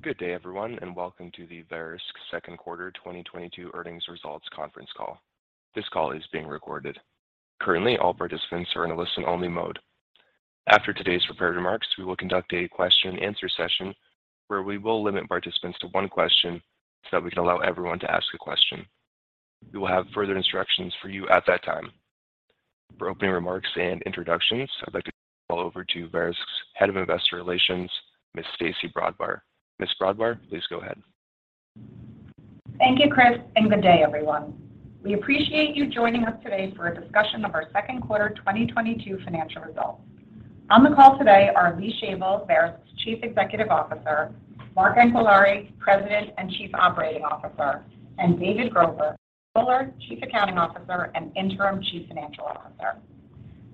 Good day, everyone, and welcome to the Verisk Second Quarter 2022 Earnings Results Conference Call. This call is being recorded. Currently, all participants are in a listen-only mode. After today's prepared remarks, we will conduct a question and answer session where we will limit participants to one question so that we can allow everyone to ask a question. We will have further instructions for you at that time. For opening remarks and introductions, I'd like to turn the call over to Verisk's Head of Investor Relations, Ms. Stacey Brodbar. Ms. Brodbar, please go ahead. Thank you, Chris, and good day everyone. We appreciate you joining us today for a discussion of our second quarter 2022 financial results. On the call today are Lee Shavel, Verisk's Chief Executive Officer, Mark Anquillare, President and Chief Operating Officer, and David Grover, Controller, Chief Accounting Officer, and Interim Chief Financial Officer.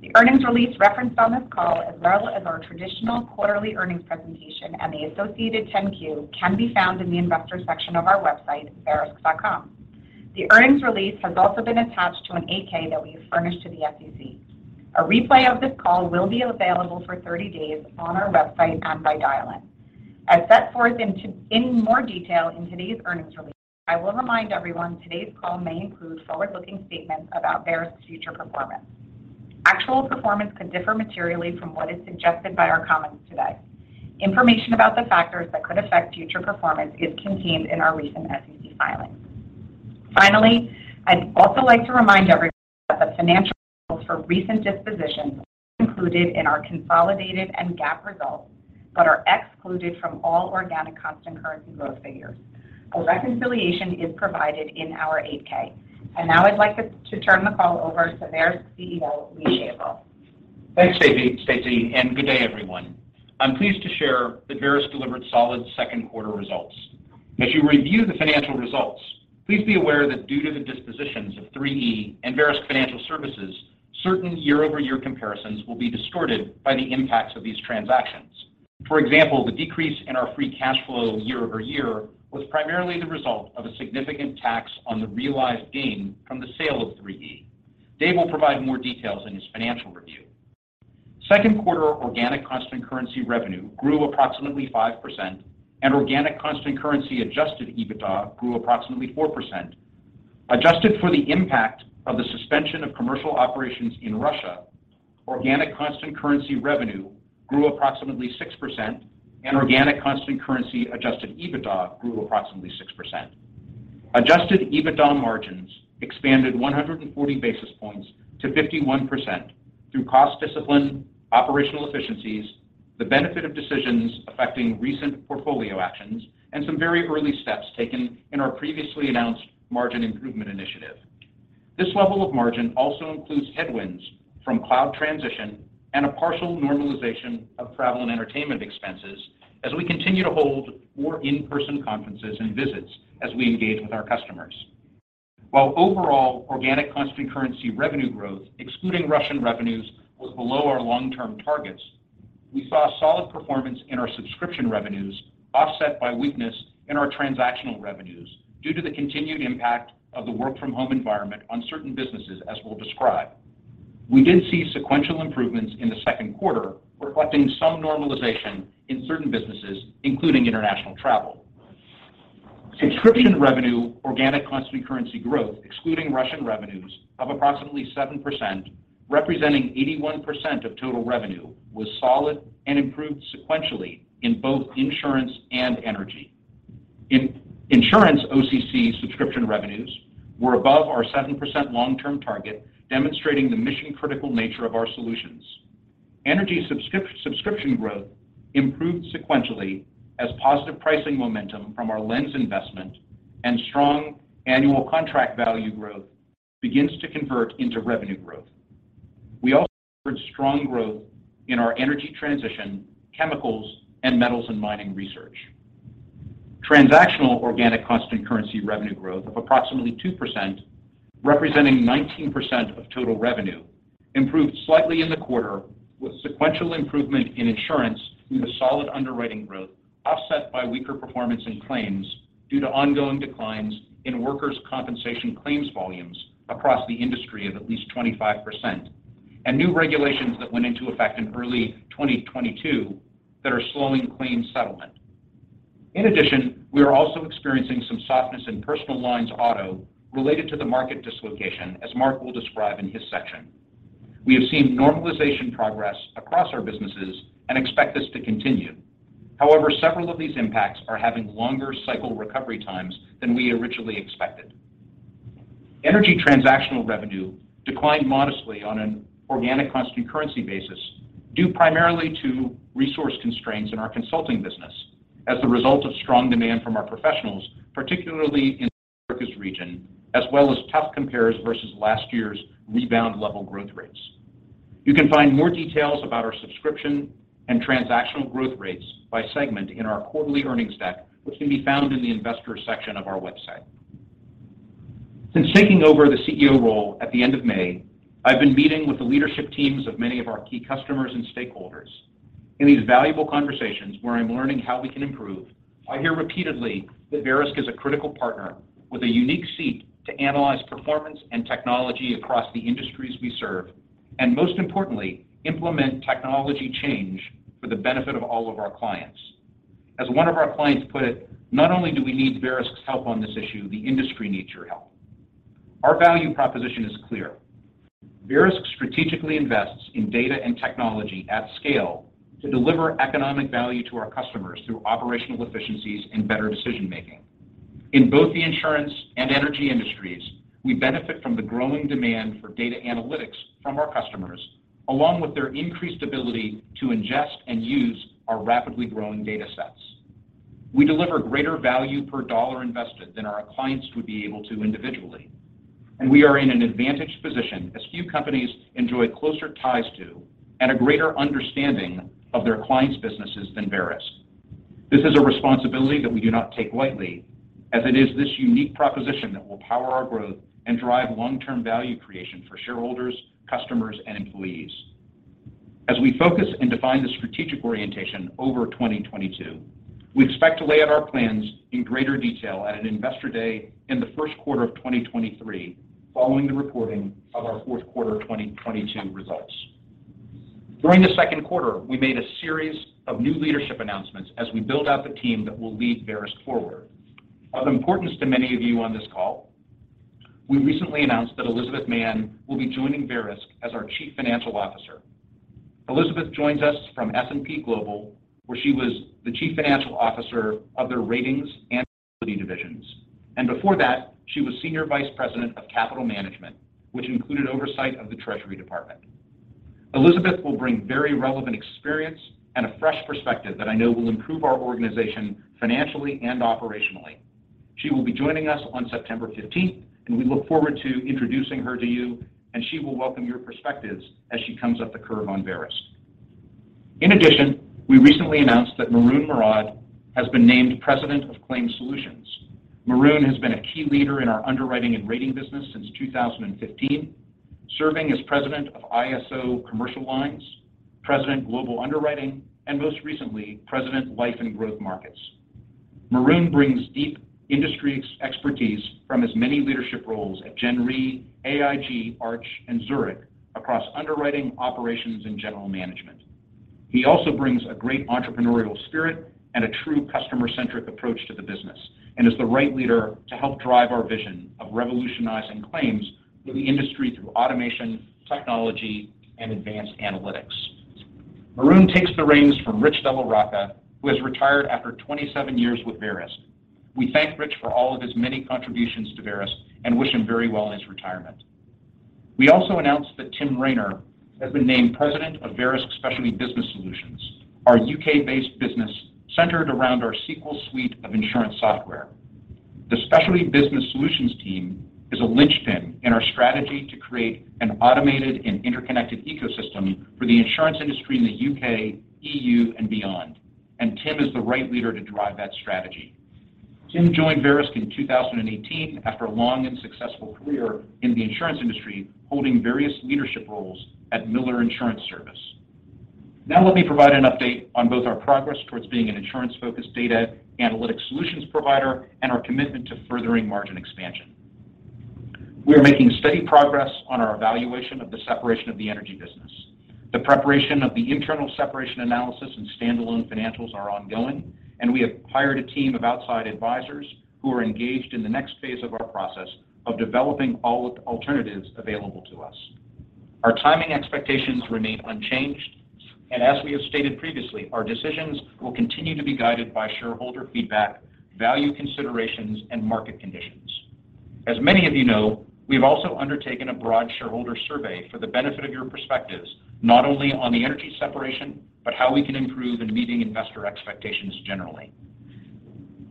The earnings release referenced on this call, as well as our traditional quarterly earnings presentation and the associated 10-Q can be found in the investor section of our website, verisk.com. The earnings release has also been attached to an 8-K that we furnished to the SEC. A replay of this call will be available for 30 days on our website and by dial-in. As set forth in more detail in today's earnings release, I will remind everyone today's call may include forward-looking statements about Verisk's future performance. Actual performance could differ materially from what is suggested by our comments today. Information about the factors that could affect future performance is contained in our recent SEC filings. Finally, I'd also like to remind everyone that the financial results for recent dispositions are included in our consolidated and GAAP results but are excluded from all organic constant currency growth figures. A reconciliation is provided in our 8-K. Now I'd like to turn the call over to Verisk's CEO, Lee Shavel. Thanks, Stacey. Stacey, and good day, everyone. I'm pleased to share that Verisk delivered solid second quarter results. As you review the financial results, please be aware that due to the dispositions of 3E and Verisk Financial Services, certain year-over-year comparisons will be distorted by the impacts of these transactions. For example, the decrease in our free cash flow year-over-year was primarily the result of a significant tax on the realized gain from the sale of 3E. Dave will provide more details in his financial review. Second quarter organic constant currency revenue grew approximately 5%, and organic constant currency Adjusted EBITDA grew approximately 4%. Adjusted for the impact of the suspension of commercial operations in Russia, organic constant currency revenue grew approximately 6%, and organic constant currency Adjusted EBITDA grew approximately 6%. Adjusted EBITDA margins expanded 140 basis points to 51% through cost discipline, operational efficiencies, the benefit of decisions affecting recent portfolio actions, and some very early steps taken in our previously announced margin improvement initiative. This level of margin also includes headwinds from cloud transition and a partial normalization of travel and entertainment expenses as we continue to hold more in-person conferences and visits as we engage with our customers. While overall organic constant currency revenue growth excluding Russian revenues was below our long-term targets, we saw solid performance in our subscription revenues offset by weakness in our transactional revenues due to the continued impact of the work from home environment on certain businesses, as we'll describe. We did see sequential improvements in the second quarter, reflecting some normalization in certain businesses, including international travel. Subscription revenue organic constant currency growth, excluding Russian revenues of approximately 7%, representing 81% of total revenue, was solid and improved sequentially in both insurance and energy. In insurance, OCC subscription revenues were above our 7% long-term target, demonstrating the mission-critical nature of our solutions. Energy subscription growth improved sequentially as positive pricing momentum from our Lens investment and strong annual contract value growth begins to convert into revenue growth. We also observed strong growth in our energy transition, chemicals, and metals and mining research. Transactional organic constant currency revenue growth of approximately 2%, representing 19% of total revenue, improved slightly in the quarter with sequential improvement in insurance due to solid underwriting growth offset by weaker performance in claims due to ongoing declines in workers' compensation claims volumes across the industry of at least 25% and new regulations that went into effect in early 2022 that are slowing claim settlement. In addition, we are also experiencing some softness in personal lines auto related to the market dislocation, as Mark will describe in his section. We have seen normalization progress across our businesses and expect this to continue. However, several of these impacts are having longer cycle recovery times than we originally expected. Energy transactional revenue declined modestly on an organic constant currency basis, due primarily to resource constraints in our consulting business as a result of strong demand from our professionals, particularly in the Americas region, as well as tough compares versus last year's rebound level growth rates. You can find more details about our subscription and transactional growth rates by segment in our quarterly earnings deck, which can be found in the investor section of our website. Since taking over the CEO role at the end of May, I've been meeting with the leadership teams of many of our key customers and stakeholders. In these valuable conversations where I'm learning how we can improve, I hear repeatedly that Verisk is a critical partner with a unique seat to analyze performance and technology across the industries we serve, and most importantly, implement technology change for the benefit of all of our clients. As one of our clients put it, not only do we need Verisk's help on this issue, the industry needs your help. Our value proposition is clear. Verisk strategically invests in data and technology at scale to deliver economic value to our customers through operational efficiencies and better decision-making. In both the insurance and energy industries, we benefit from the growing demand for data analytics from our customers, along with their increased ability to ingest and use our rapidly growing data sets. We deliver greater value per dollar invested than our clients would be able to individually. We are in an advantaged position as few companies enjoy closer ties to and a greater understanding of their clients' businesses than Verisk. This is a responsibility that we do not take lightly as it is this unique proposition that will power our growth and drive long-term value creation for shareholders, customers, and employees. As we focus and define the strategic orientation over 2022, we expect to lay out our plans in greater detail at an Investor Day in the first quarter of 2023, following the reporting of our fourth quarter 2022 results. During the second quarter, we made a series of new leadership announcements as we build out the team that will lead Verisk forward. Of importance to many of you on this call, we recently announced that Elizabeth Mann will be joining Verisk as our Chief Financial Officer. Elizabeth joins us from S&P Global, where she was the Chief Financial Officer of their Ratings and Analytics divisions. Before that, she was Senior Vice President of Capital Management, which included oversight of the Treasury Department. Elizabeth will bring very relevant experience and a fresh perspective that I know will improve our organization financially and operationally. She will be joining us on September fifteenth, and we look forward to introducing her to you, and she will welcome your perspectives as she comes up the curve on Verisk. In addition, we recently announced that Maroun Mourad has been named President of Claims Solutions. Maroun has been a key leader in our underwriting and rating business since 2015, serving as President of ISO Commercial Lines, President Global Underwriting, and most recently, President Life and Growth Markets. Maroun brings deep industry expertise from his many leadership roles at Gen Re, AIG, Arch, and Zurich across underwriting, operations, and general management. He also brings a great entrepreneurial spirit and a true customer-centric approach to the business and is the right leader to help drive our vision of revolutionizing claims for the industry through automation, technology, and advanced analytics. Maroun Mourad takes the reins from Rich Della Rocca, who has retired after 27 years with Verisk. We thank Rich for all of his many contributions to Verisk and wish him very well in his retirement. We also announced that Tim Rayner has been named President of Verisk Specialty Business Solutions, our U.K.-based business centered around our Sequel suite of insurance software. The Specialty Business Solutions team is a linchpin in our strategy to create an automated and interconnected ecosystem for the insurance industry in the U.K., EU, and beyond. Tim is the right leader to drive that strategy. Tim joined Verisk in 2018 after a long and successful career in the insurance industry, holding various leadership roles at Miller Insurance Services. Now let me provide an update on both our progress towards being an insurance-focused data analytics solutions provider and our commitment to furthering margin expansion. We are making steady progress on our evaluation of the separation of the energy business. The preparation of the internal separation analysis and standalone financials are ongoing, and we have hired a team of outside advisors who are engaged in the next phase of our process of developing all alternatives available to us. Our timing expectations remain unchanged, and as we have stated previously, our decisions will continue to be guided by shareholder feedback, value considerations, and market conditions. As many of you know, we've also undertaken a broad shareholder survey for the benefit of your perspectives, not only on the energy separation, but how we can improve in meeting investor expectations generally.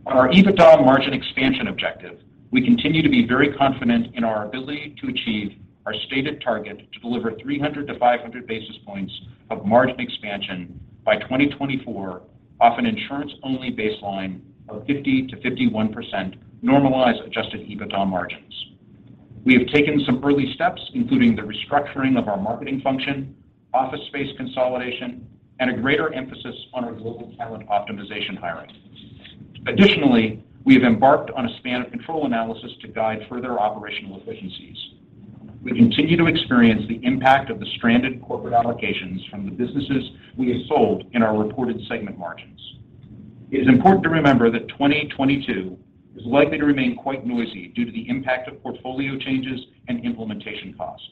On our EBITDA margin expansion objective, we continue to be very confident in our ability to achieve our stated target to deliver 300-500 basis points of margin expansion by 2024 off an insurance-only baseline of 50%-51% normalized Adjusted EBITDA margins. We have taken some early steps, including the restructuring of our marketing function, office space consolidation, and a greater emphasis on our global talent optimization hiring. Additionally, we have embarked on a span of control analysis to guide further operational efficiencies. We continue to experience the impact of the stranded corporate allocations from the businesses we have sold in our reported segment margins. It is important to remember that 2022 is likely to remain quite noisy due to the impact of portfolio changes and implementation costs.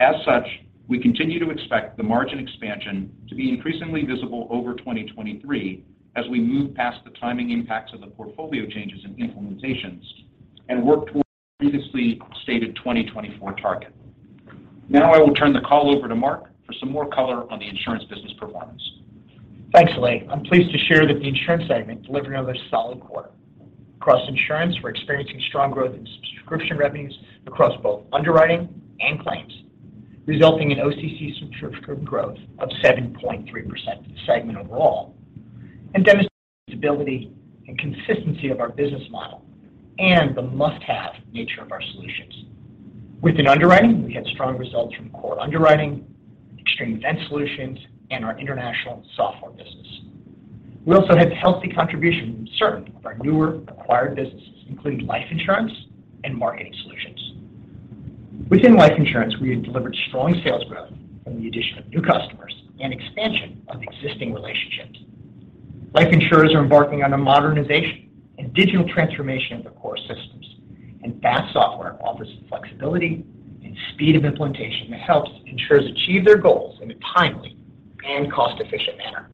As such, we continue to expect the margin expansion to be increasingly visible over 2023 as we move past the timing impacts of the portfolio changes and implementations and work towards the previously stated 2024 target. Now I will turn the call over to Mark for some more color on the insurance business performance. Thanks, Lee. I'm pleased to share that the insurance segment delivered another solid quarter. Across insurance, we're experiencing strong growth in subscription revenues across both underwriting and claims, resulting in OCC subscription growth of 7.3% segment overall and demonstrating the stability and consistency of our business model and the must-have nature of our solutions. Within underwriting, we had strong results from core underwriting, extreme event solutions, and our international software business. We also had healthy contribution from certain of our newer acquired businesses, including life insurance and marketing solutions. Within life insurance, we had delivered strong sales growth from the addition of new customers and expansion of existing relationships. Life insurers are embarking on a modernization and digital transformation of their core systems, and FAST software offers the flexibility and speed of implementation that helps insurers achieve their goals in a timely and cost-efficient manner.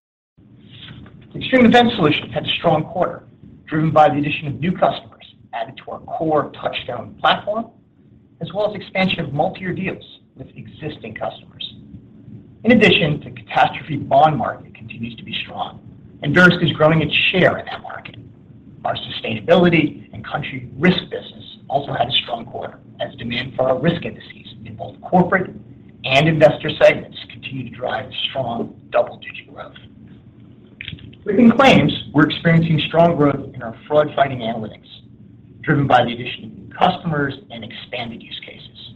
Extreme Events Solution had a strong quarter, driven by the addition of new customers added to our core Touchstone platform, as well as expansion of multi-year deals with existing customers. In addition, the catastrophe bond market continues to be strong, and Verisk is growing its share in that market. Our sustainability and country risk business also had a strong quarter as demand for our risk indices in both corporate and investor segments continue to drive strong double-digit growth. Within claims, we're experiencing strong growth in our fraud-fighting analytics driven by the addition of new customers and expanded use cases.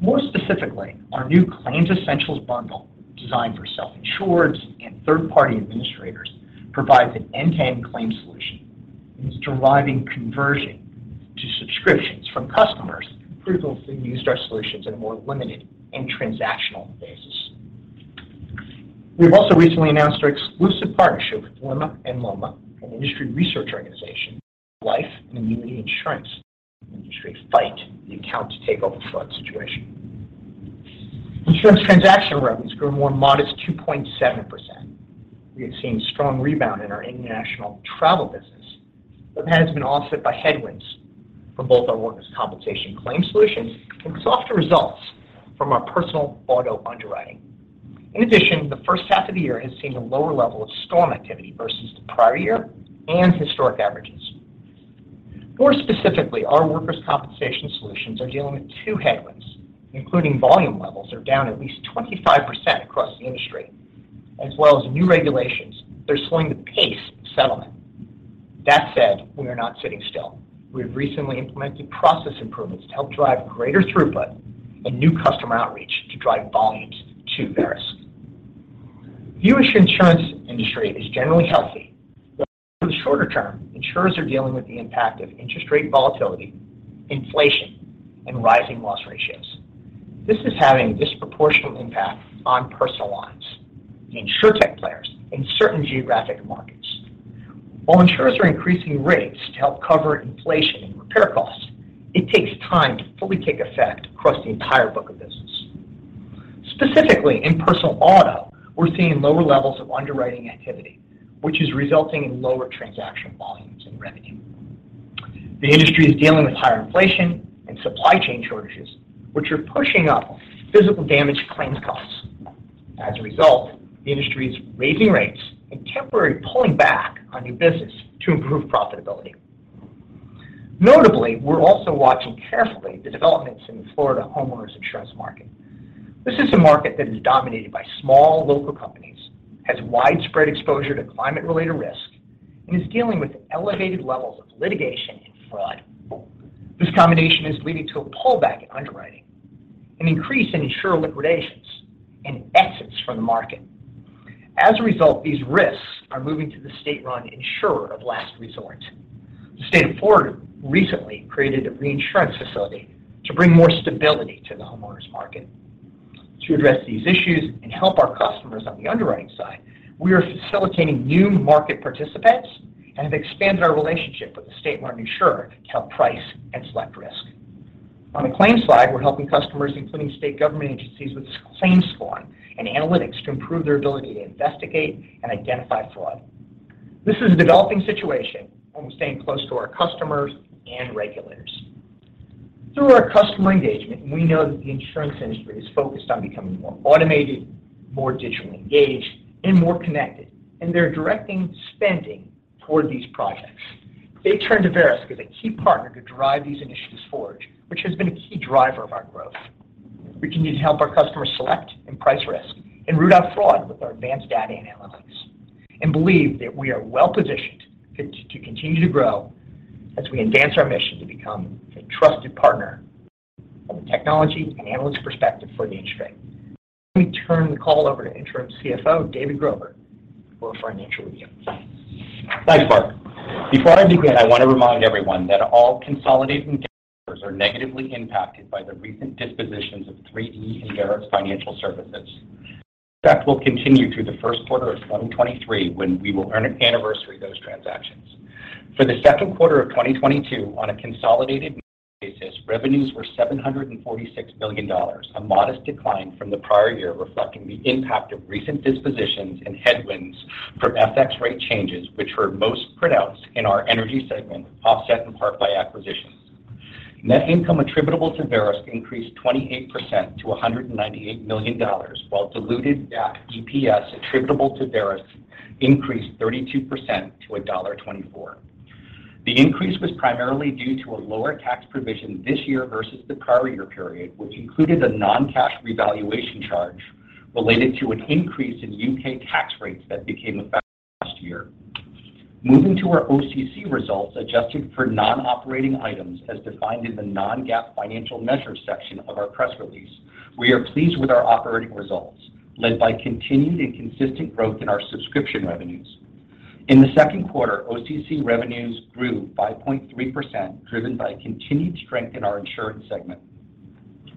More specifically, our new Claims Essentials bundle designed for self-insureds and third-party administrators provides an end-to-end claim solution and is driving conversion to subscriptions from customers who previously used our solutions in a more limited and transactional basis. We've also recently announced our exclusive partnership with LIMRA and LOMA, an industry research organization, to help life and annuity insurance industry fight the account takeover fraud situation. Insurance transaction revenues grew a more modest 2.7%. We have seen strong rebound in our international travel business, but that has been offset by headwinds from both our workers' compensation claims solution and softer results from our personal auto underwriting. In addition, the first half of the year has seen a lower level of storm activity versus the prior year and historic averages. More specifically, our workers' compensation solutions are dealing with two headwinds, including volume levels are down at least 25% across the industry, as well as new regulations that are slowing the pace of settlement. That said, we are not sitting still. We have recently implemented process improvements to help drive greater throughput and new customer outreach to drive volumes to Verisk. The U.S. insurance industry is generally healthy, but over the shorter term, insurers are dealing with the impact of interest rate volatility, inflation, and rising loss ratios. This is having a disproportionate impact on personal lines, InsurTech players in certain geographic markets. While insurers are increasing rates to help cover inflation and repair costs, it takes time to fully take effect across the entire book of business. Specifically, in personal auto, we're seeing lower levels of underwriting activity, which is resulting in lower transaction volumes and revenue. The industry is dealing with higher inflation and supply chain shortages, which are pushing up physical damage claims costs. As a result, the industry is raising rates and temporarily pulling back on new business to improve profitability. Notably, we're also watching carefully the developments in the Florida homeowners insurance market. This is a market that is dominated by small local companies, has widespread exposure to climate-related risk, and is dealing with elevated levels of litigation and fraud. This combination is leading to a pullback in underwriting, an increase in insurer liquidations, and exits from the market. As a result, these risks are moving to the state-run insurer of last resort. The state of Florida recently created a reinsurance facility to bring more stability to the homeowners market. To address these issues and help our customers on the underwriting side, we are facilitating new market participants and have expanded our relationship with the state-run insurer to help price and select risk. On the claims side, we're helping customers, including state government agencies, with claims scoring and analytics to improve their ability to investigate and identify fraud. This is a developing situation and we're staying close to our customers and regulators. Through our customer engagement, we know that the insurance industry is focused on becoming more automated, more digitally engaged, and more connected, and they're directing spending toward these projects. They turn to Verisk as a key partner to drive these initiatives forward, which has been a key driver of our growth. We continue to help our customers select and price risk and root out fraud with our advanced data and analytics, and believe that we are well-positioned to continue to grow as we advance our mission to become the trusted partner from a technology and analytics perspective for the industry. Let me turn the call over to Interim CFO, David Grover, for our financial review. Thanks, Mark. Before I begin, I want to remind everyone that all consolidated measures are negatively impacted by the recent dispositions of 3E and Verisk Financial Services. That will continue through the first quarter of 2023 when we will earn-out and anniversary those transactions. For the second quarter of 2022, on a consolidated basis, revenues were $746 million, a modest decline from the prior year, reflecting the impact of recent dispositions and headwinds from FX rate changes, which were most pronounced in our energy segment, offset in part by acquisitions. Net income attributable to Verisk increased 28% to $198 million, while diluted GAAP EPS attributable to Verisk increased 32% to $1.24. The increase was primarily due to a lower tax provision this year versus the prior year period, which included a non-cash revaluation charge related to an increase in U.K. tax rates that became effective last year. Moving to our OCC results adjusted for non-operating items as defined in the non-GAAP financial measures section of our press release, we are pleased with our operating results led by continued and consistent growth in our subscription revenues. In the second quarter, OCC revenues grew by 0.3%, driven by continued strength in our insurance segment.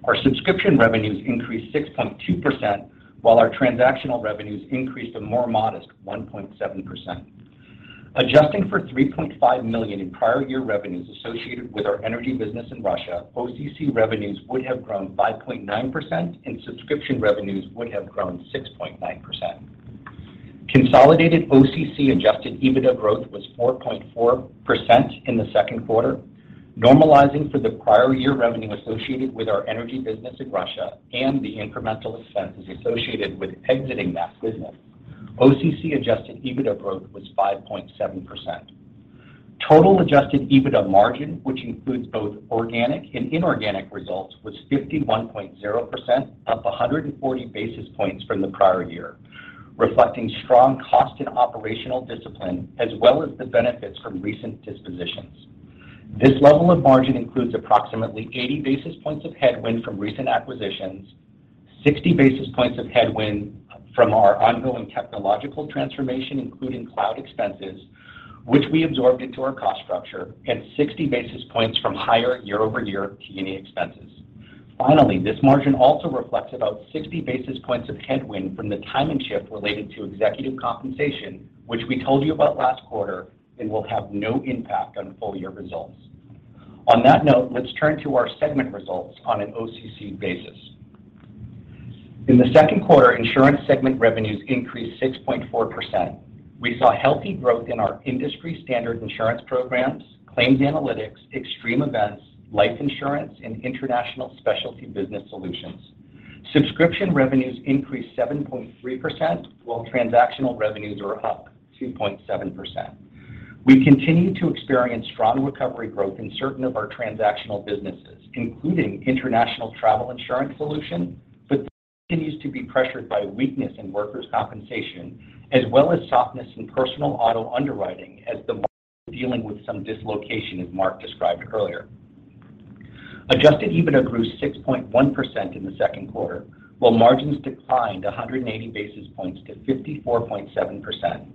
Our subscription revenues increased 6.2%, while our transactional revenues increased a more modest 1.7%. Adjusting for $3.5 million in prior year revenues associated with our energy business in Russia, OCC revenues would have grown 5.9%, and subscription revenues would have grown 6.9%. Consolidated OCC Adjusted EBITDA growth was 4.4% in the second quarter. Normalizing for the prior year revenue associated with our energy business in Russia and the incremental expenses associated with exiting that business, OCC Adjusted EBITDA growth was 5.7%. Total Adjusted EBITDA margin, which includes both organic and inorganic results, was 51.0%, up 140 basis points from the prior year, reflecting strong cost and operational discipline, as well as the benefits from recent dispositions. This level of margin includes approximately 80 basis points of headwind from recent acquisitions, 60 basis points of headwind from our ongoing technological transformation, including cloud expenses, which we absorbed into our cost structure, and 60 basis points from higher year-over-year P&L expenses. Finally, this margin also reflects about 60 basis points of headwind from the timing shift related to executive compensation, which we told you about last quarter and will have no impact on full year results. On that note, let's turn to our segment results on an OCC basis. In the second quarter, insurance segment revenues increased 6.4%. We saw healthy growth in our industry standard insurance programs, claims analytics, extreme events, life insurance, and international specialty business solutions. Subscription revenues increased 7.3%, while transactional revenues were up 2.7%. We continue to experience strong recovery growth in certain of our transactional businesses, including international travel insurance solution, but continues to be pressured by weakness in workers' compensation as well as softness in personal auto underwriting as the market is dealing with some dislocation, as Mark described earlier. Adjusted EBITDA grew 6.1% in the second quarter, while margins declined 180 basis points to 54.7%.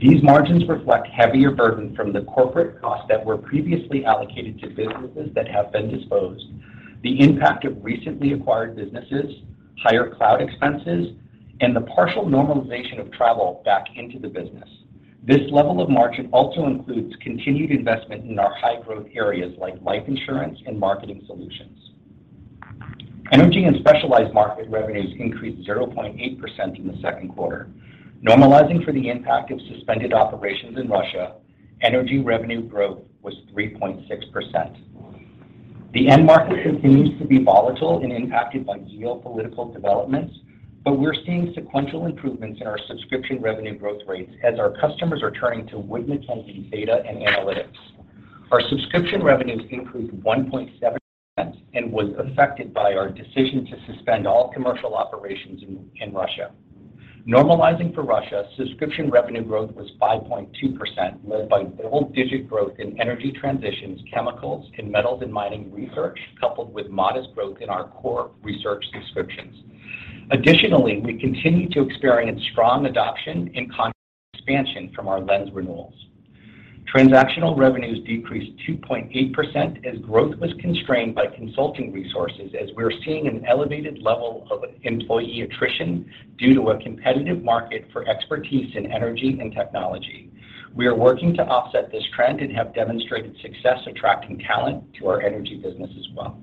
These margins reflect heavier burden from the corporate costs that were previously allocated to businesses that have been disposed, the impact of recently acquired businesses, higher cloud expenses, and the partial normalization of travel back into the business. This level of margin also includes continued investment in our high-growth areas like life insurance and marketing solutions. Energy and specialized market revenues increased 0.8% in the second quarter. Normalizing for the impact of suspended operations in Russia, energy revenue growth was 3.6%. The end market continues to be volatile and impacted by geopolitical developments, but we're seeing sequential improvements in our subscription revenue growth rates as our customers are turning to Wood Mackenzie data and analytics. Our subscription revenues increased 1.7% and was affected by our decision to suspend all commercial operations in Russia. Normalizing for Russia, subscription revenue growth was 5.2%, led by double-digit growth in energy transitions, chemicals, and metals and mining research, coupled with modest growth in our core research subscriptions. Additionally, we continue to experience strong adoption and contract expansion from our Lens renewals. Transactional revenues decreased 2.8% as growth was constrained by consulting resources as we're seeing an elevated level of employee attrition due to a competitive market for expertise in energy and technology. We are working to offset this trend and have demonstrated success attracting talent to our energy business as well.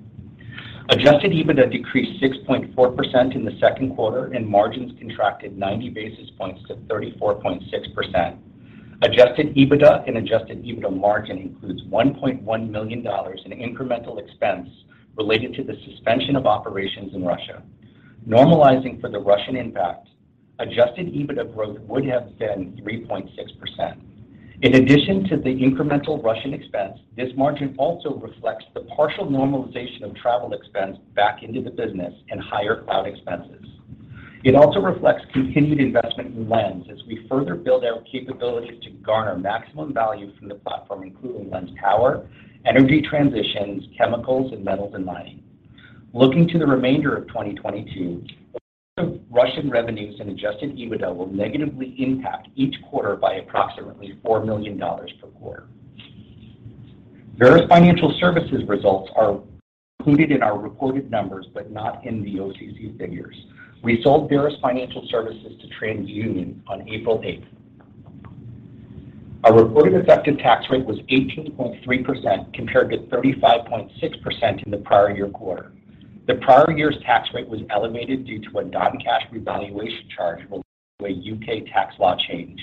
Adjusted EBITDA decreased 6.4% in the second quarter, and margins contracted 90 basis points to 34.6%. Adjusted EBITDA and Adjusted EBITDA margin includes $1.1 million in incremental expense related to the suspension of operations in Russia. Normalizing for the Russian impact, Adjusted EBITDA growth would have been 3.6%. In addition to the incremental Russian expense, this margin also reflects the partial normalization of travel expense back into the business and higher cloud expenses. It also reflects continued investment in Lens as we further build our capabilities to garner maximum value from the platform, including Lens Power, energy transitions, chemicals, and metals and mining. Looking to the remainder of 2022, Russian revenues and Adjusted EBITDA will negatively impact each quarter by approximately $4 million per quarter. Verisk Financial Services results are included in our reported numbers but not in the OCC figures. We sold Verisk Financial Services to TransUnion on April 8. Our reported effective tax rate was 18.3% compared to 35.6% in the prior year quarter. The prior year's tax rate was elevated due to a non-cash revaluation charge related to a U.K. tax law change.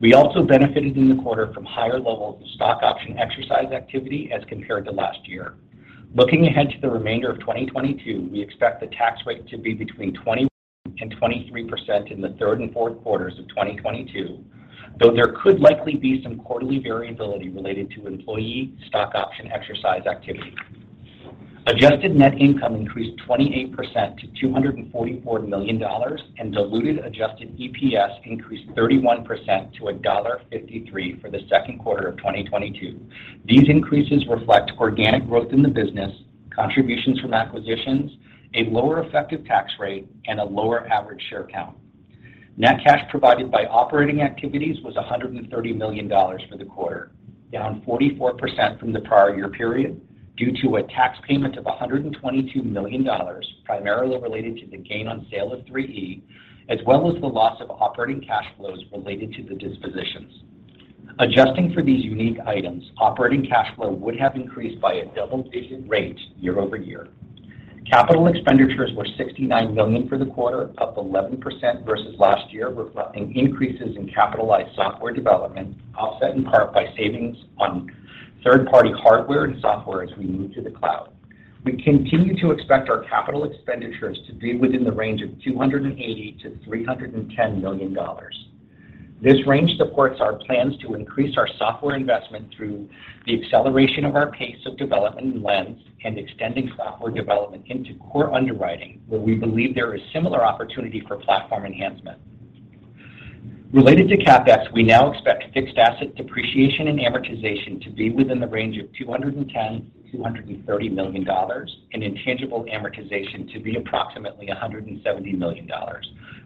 We also benefited in the quarter from higher levels of stock option exercise activity as compared to last year. Looking ahead to the remainder of 2022, we expect the tax rate to be between 20% and 23% in the third and fourth quarters of 2022, though there could likely be some quarterly variability related to employee stock option exercise activity. Adjusted net income increased 28% to $244 million and diluted adjusted EPS increased 31% to $1.53 for the second quarter of 2022. These increases reflect organic growth in the business, contributions from acquisitions, a lower effective tax rate, and a lower average share count. Net cash provided by operating activities was $130 million for the quarter, down 44% from the prior year period due to a tax payment of $122 million, primarily related to the gain on sale of 3E, as well as the loss of operating cash flows related to the dispositions. Adjusting for these unique items, operating cash flow would have increased by a double-digit rate year-over-year. Capital expenditures were $69 million for the quarter, up 11% versus last year, reflecting increases in capitalized software development, offset in part by savings on third-party hardware and software as we move to the cloud. We continue to expect our capital expenditures to be within the range of $280 million-$310 million. This range supports our plans to increase our software investment through the acceleration of our pace of development in Lens and extending software development into core underwriting, where we believe there is similar opportunity for platform enhancement. Related to CapEx, we now expect fixed asset depreciation and amortization to be within the range of $210 million-$230 million, and intangible amortization to be approximately $170 million.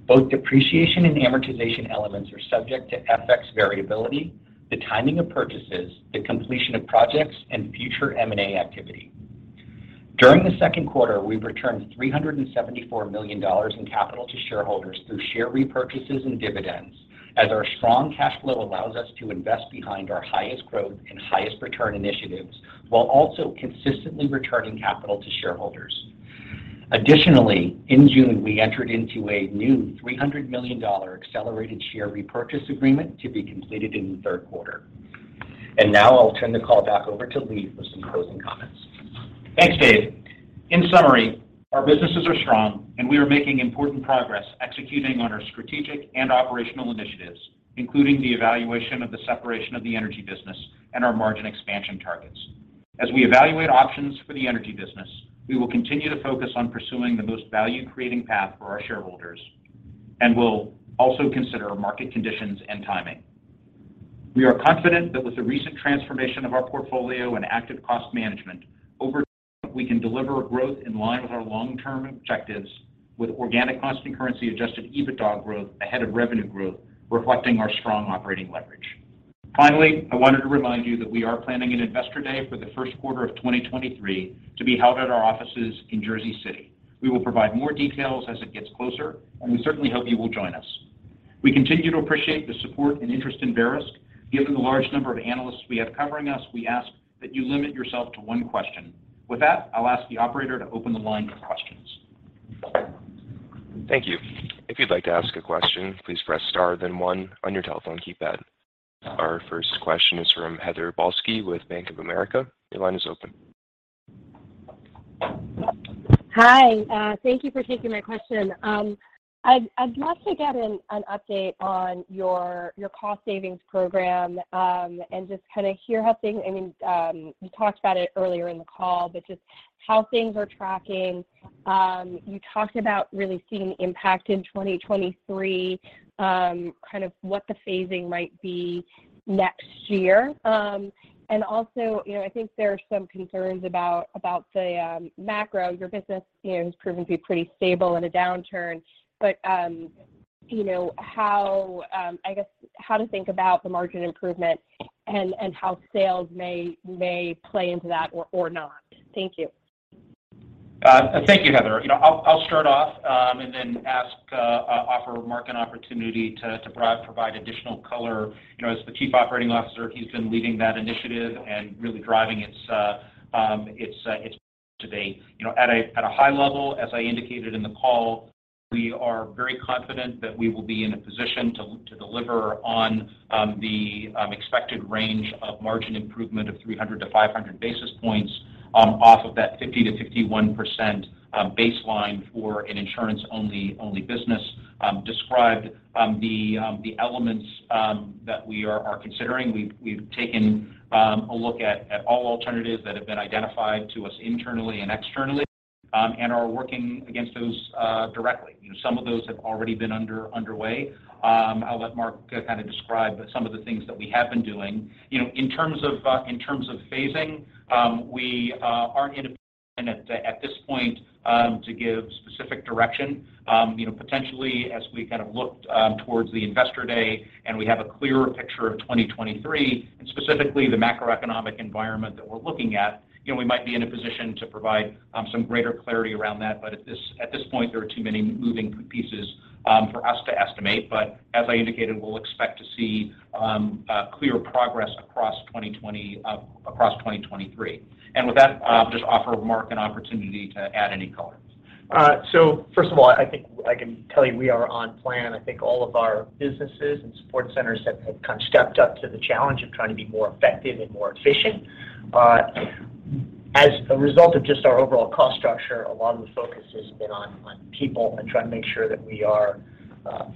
Both depreciation and amortization elements are subject to FX variability, the timing of purchases, the completion of projects, and future M&A activity. During the second quarter, we returned $374 million in capital to shareholders through share repurchases and dividends, as our strong cash flow allows us to invest behind our highest growth and highest return initiatives while also consistently returning capital to shareholders. Additionally, in June, we entered into a new $300 million accelerated share repurchase agreement to be completed in the third quarter. Now I'll turn the call back over to Lee for some closing comments. Thanks, David. In summary, our businesses are strong, and we are making important progress executing on our strategic and operational initiatives, including the evaluation of the separation of the energy business and our margin expansion targets. As we evaluate options for the energy business, we will continue to focus on pursuing the most value-creating path for our shareholders, and we'll also consider market conditions and timing. We are confident that with the recent transformation of our portfolio and active cost management, over time, we can deliver growth in line with our long-term objectives with organic constant currency Adjusted EBITDA growth ahead of revenue growth, reflecting our strong operating leverage. Finally, I wanted to remind you that we are planning an Investor Day for the first quarter of 2023 to be held at our offices in Jersey City. We will provide more details as it gets closer, and we certainly hope you will join us. We continue to appreciate the support and interest in Verisk. Given the large number of analysts we have covering us, we ask that you limit yourself to one question. With that, I'll ask the operator to open the line for questions. Thank you. If you'd like to ask a question, please press star then one on your telephone keypad. Our first question is from Heather Balsky with Bank of America. Your line is open. Hi. Thank you for taking my question. I'd love to get an update on your cost savings program, and just kind of hear how things are tracking. I mean, you talked about it earlier in the call, but just how things are tracking. You talked about really seeing impact in 2023, kind of what the phasing might be next year. And also, you know, I think there are some concerns about the macro. Your business, you know, has proven to be pretty stable in a downturn. But you know, I guess how to think about the margin improvement and how sales may play into that or not. Thank you. Thank you, Heather. You know, I'll start off and then offer Mark an opportunity to provide additional color. You know, as the Chief Operating Officer, he's been leading that initiative and really driving its today. You know, at a high level, as I indicated in the call, we are very confident that we will be in a position to deliver on the expected range of margin improvement of 300-500 basis points off of that 50%-51% baseline for an insurance-only business, described the elements that we are considering. We've taken a look at all alternatives that have been identified to us internally and externally and are working against those directly. You know, some of those have already been underway. I'll let Mark describe some of the things that we have been doing. You know, in terms of phasing, we aren't in a position at this point to give specific direction. You know, potentially, as we kind of look towards the Investor Day and we have a clearer picture of 2023, and specifically the macroeconomic environment that we're looking at, you know, we might be in a position to provide some greater clarity around that. But at this point, there are too many moving pieces for us to estimate. But as I indicated, we'll expect to see a clearer progress across 2023. With that, I'll just offer Mark an opportunity to add any color. First of all, I think I can tell you we are on plan. I think all of our businesses and support centers have kind of stepped up to the challenge of trying to be more effective and more efficient. As a result of just our overall cost Sure. A lot of the focus has been on people and trying to make sure that we are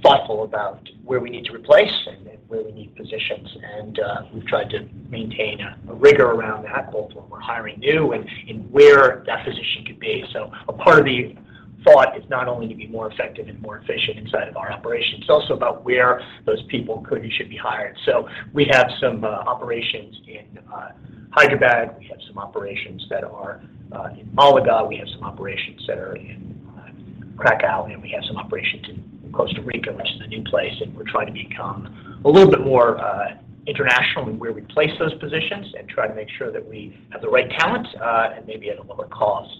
thoughtful about where we need to replace and where we need positions. We've tried to maintain a rigor around that, both when we're hiring new and in where that position could be. A part of the thought is not only to be more effective and more efficient inside of our operations, it's also about where those people could and should be hired. We have some operations in Hyderabad. We have some operations that are in Málaga. We have some operations that are in Kraków, and we have some operations in Costa Rica, which is the new place, and we're trying to become a little bit more international in where we place those positions and try to make sure that we have the right talent and maybe at a lower cost.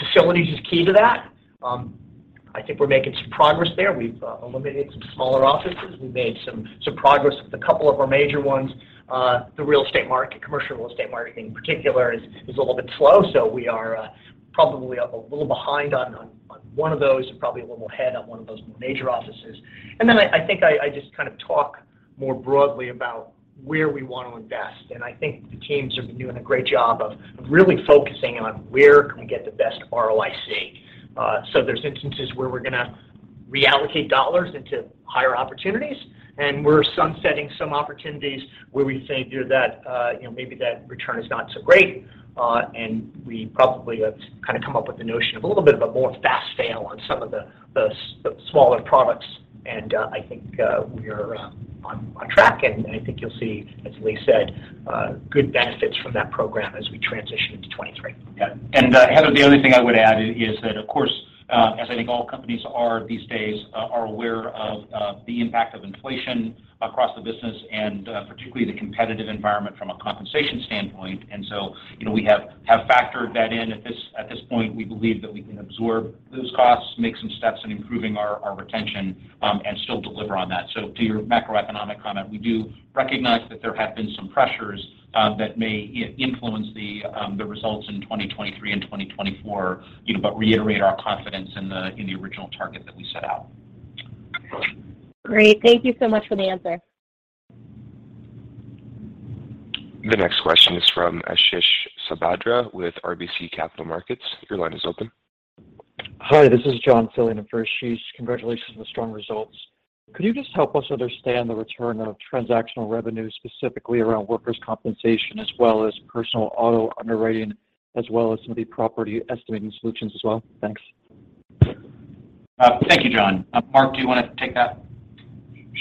Facilities is key to that. I think we're making some progress there. We've eliminated some smaller offices. We've made some progress with a couple of our major ones. The real estate market, commercial real estate market in particular is a little bit slow, so we are probably a little behind on one of those and probably a little ahead on one of those more major offices. I think I just kind of talk more broadly about where we want to invest, and I think the teams have been doing a great job of really focusing on where can we get the best ROIC. So there's instances where we're gonna reallocate dollars into higher opportunities, and we're sunsetting some opportunities where we say either that, you know, maybe that return is not so great, and we probably have kind of come up with the notion of a little bit of a more fast fail on some of the smaller products. I think we are on track, and I think you'll see, as Lee said, good benefits from that program as we transition into 2023. Yeah. Heather, the only thing I would add is that, of course, as I think all companies are these days aware of, the impact of inflation across the business and, particularly the competitive environment from a compensation standpoint. You know, we have factored that in. At this point, we believe that we can absorb those costs, make some steps in improving our retention, and still deliver on that. To your macroeconomic comment, we do recognize that there have been some pressures that may influence the results in 2023 and 2024, you know, but reiterate our confidence in the original target that we set out. Great. Thank you so much for the answer. The next question is from Ashish Sabadra with RBC Capital Markets. Your line is open. Hi, this is John filling in for Ashish. Congratulations on the strong results. Could you just help us understand the return of transactional revenue, specifically around workers' compensation as well as personal auto underwriting, as well as some of the property estimating solutions as well? Thanks. Thank you, John. Mark, do you wanna take that?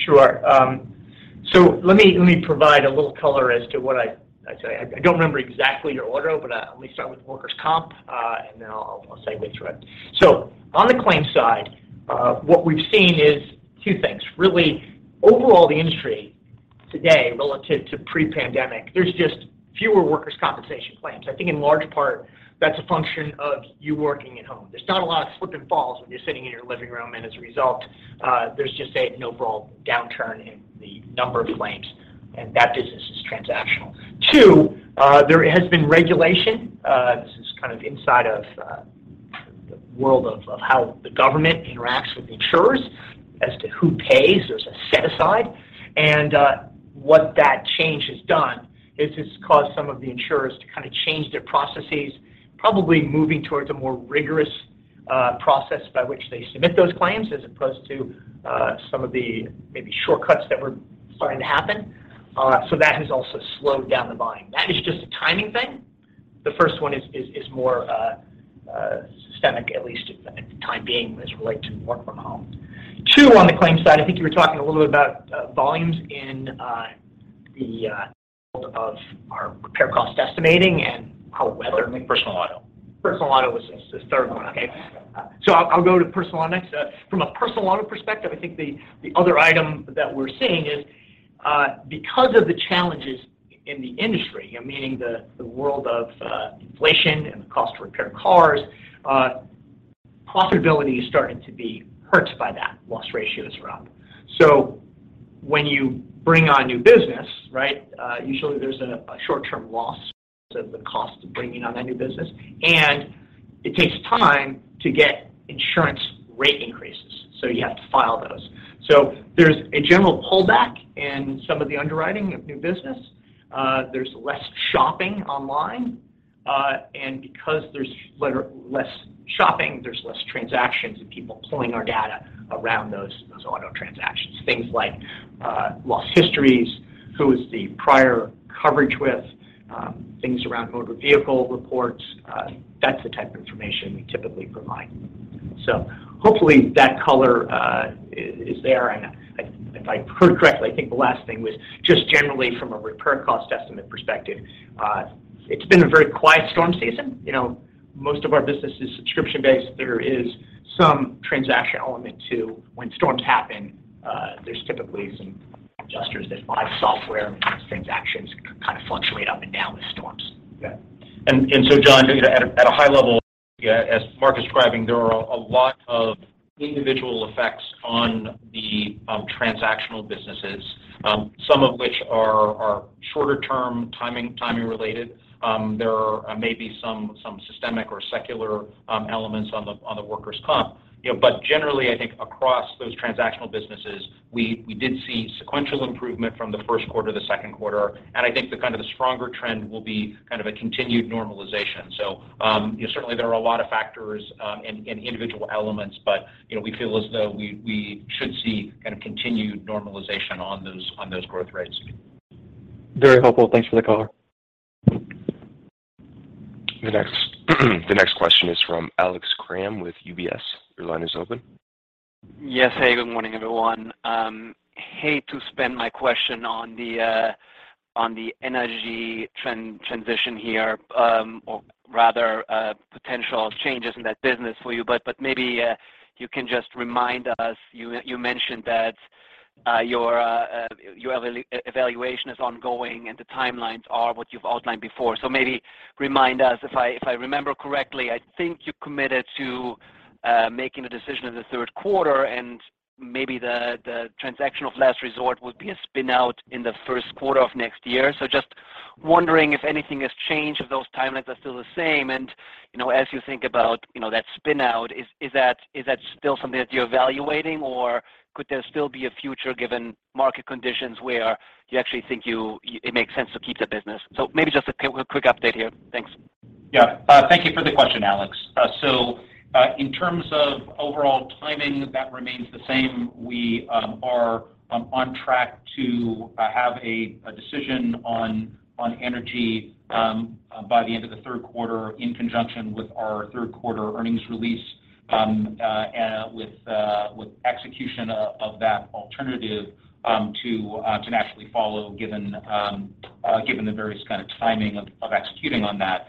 Sure. Let me provide a little color as to what I'd say. I don't remember exactly your order, but let me start with workers' comp, and then I'll segue through it. On the claims side, what we've seen is two things. Really, overall, the industry today relative to pre-pandemic, there's just fewer workers' compensation claims. I think in large part that's a function of you working at home. There's not a lot of slip and falls when you're sitting in your living room, and as a result, there's just an overall downturn in the number of claims, and that business is transactional. Two, there has been regulation. This is kind of inside of the world of how the government interacts with insurers as to who pays. There's a set aside, and what that change has done is it's caused some of the insurers to kind of change their processes, probably moving towards a more rigorous process by which they submit those claims as opposed to some of the maybe shortcuts that were starting to happen. So that has also slowed down the volume. That is just a timing thing. The first one is more systemic, at least for the time being, as related to work from home. Two, on the claims side, I think you were talking a little bit about volumes in the world of our repair cost estimating and how weather. Personal auto. Personal auto was the third one. Okay. I'll go to personal auto next. From a personal auto perspective, I think the other item that we're seeing is because of the challenges in the industry, you know, meaning the world of inflation and the cost to repair cars, profitability is starting to be hurt by that. Loss ratio is rough. When you bring on new business, right, usually there's a short-term loss because of the cost of bringing on that new business, and it takes time to get insurance rate increases, so you have to file those. There's a general pullback in some of the underwriting of new business. There's less shopping online, and because there's less shopping, there's less transactions and people pulling our data around those auto transactions. Things like loss histories, who is the prior coverage with, things around motor vehicle reports, that's the type of information we typically provide. So hopefully that color is there. If I heard correctly, I think the last thing was just generally from a repair cost estimate perspective, it's been a very quiet storm season. You know, most of our business is subscription based. There is some transaction element to when storms happen, there's typically some adjusters that file software, and those transactions kind of fluctuate up and down with storms. Yeah. John, you know, at a high level, as Mark is describing, there are a lot of individual effects on the transactional businesses, some of which are shorter term timing related. There are maybe some systemic or secular elements on the workers' comp. You know, but generally I think across those transactional businesses, we did see sequential improvement from the first quarter to the second quarter. I think the kind of stronger trend will be kind of a continued normalization. You know, certainly there are a lot of factors and individual elements, but you know, we feel as though we should see kind of continued normalization on those growth rates. Very helpful. Thanks for the color. The next question is from Alex Kramm with UBS. Your line is open. Yes. Hey, good morning, everyone. Hate to spend my question on the energy transition here, or rather, potential changes in that business for you. Maybe you can just remind us, you mentioned that your evaluation is ongoing, and the timelines are what you've outlined before. Maybe remind us, if I remember correctly, I think you committed to making a decision in the third quarter, and maybe the transaction of last resort would be a spin out in the first quarter of next year. Just wondering if anything has changed, if those timelines are still the same? You know, as you think about that spin out, is that still something that you're evaluating? Could there still be a future given market conditions where you actually think it makes sense to keep the business? Maybe just a quick update here. Thanks. Yeah. Thank you for the question, Alex. In terms of overall timing, that remains the same. We are on track to have a decision on energy by the end of the third quarter in conjunction with our third quarter earnings release, and with execution of that alternative to naturally follow given the various kind of timing of executing on that.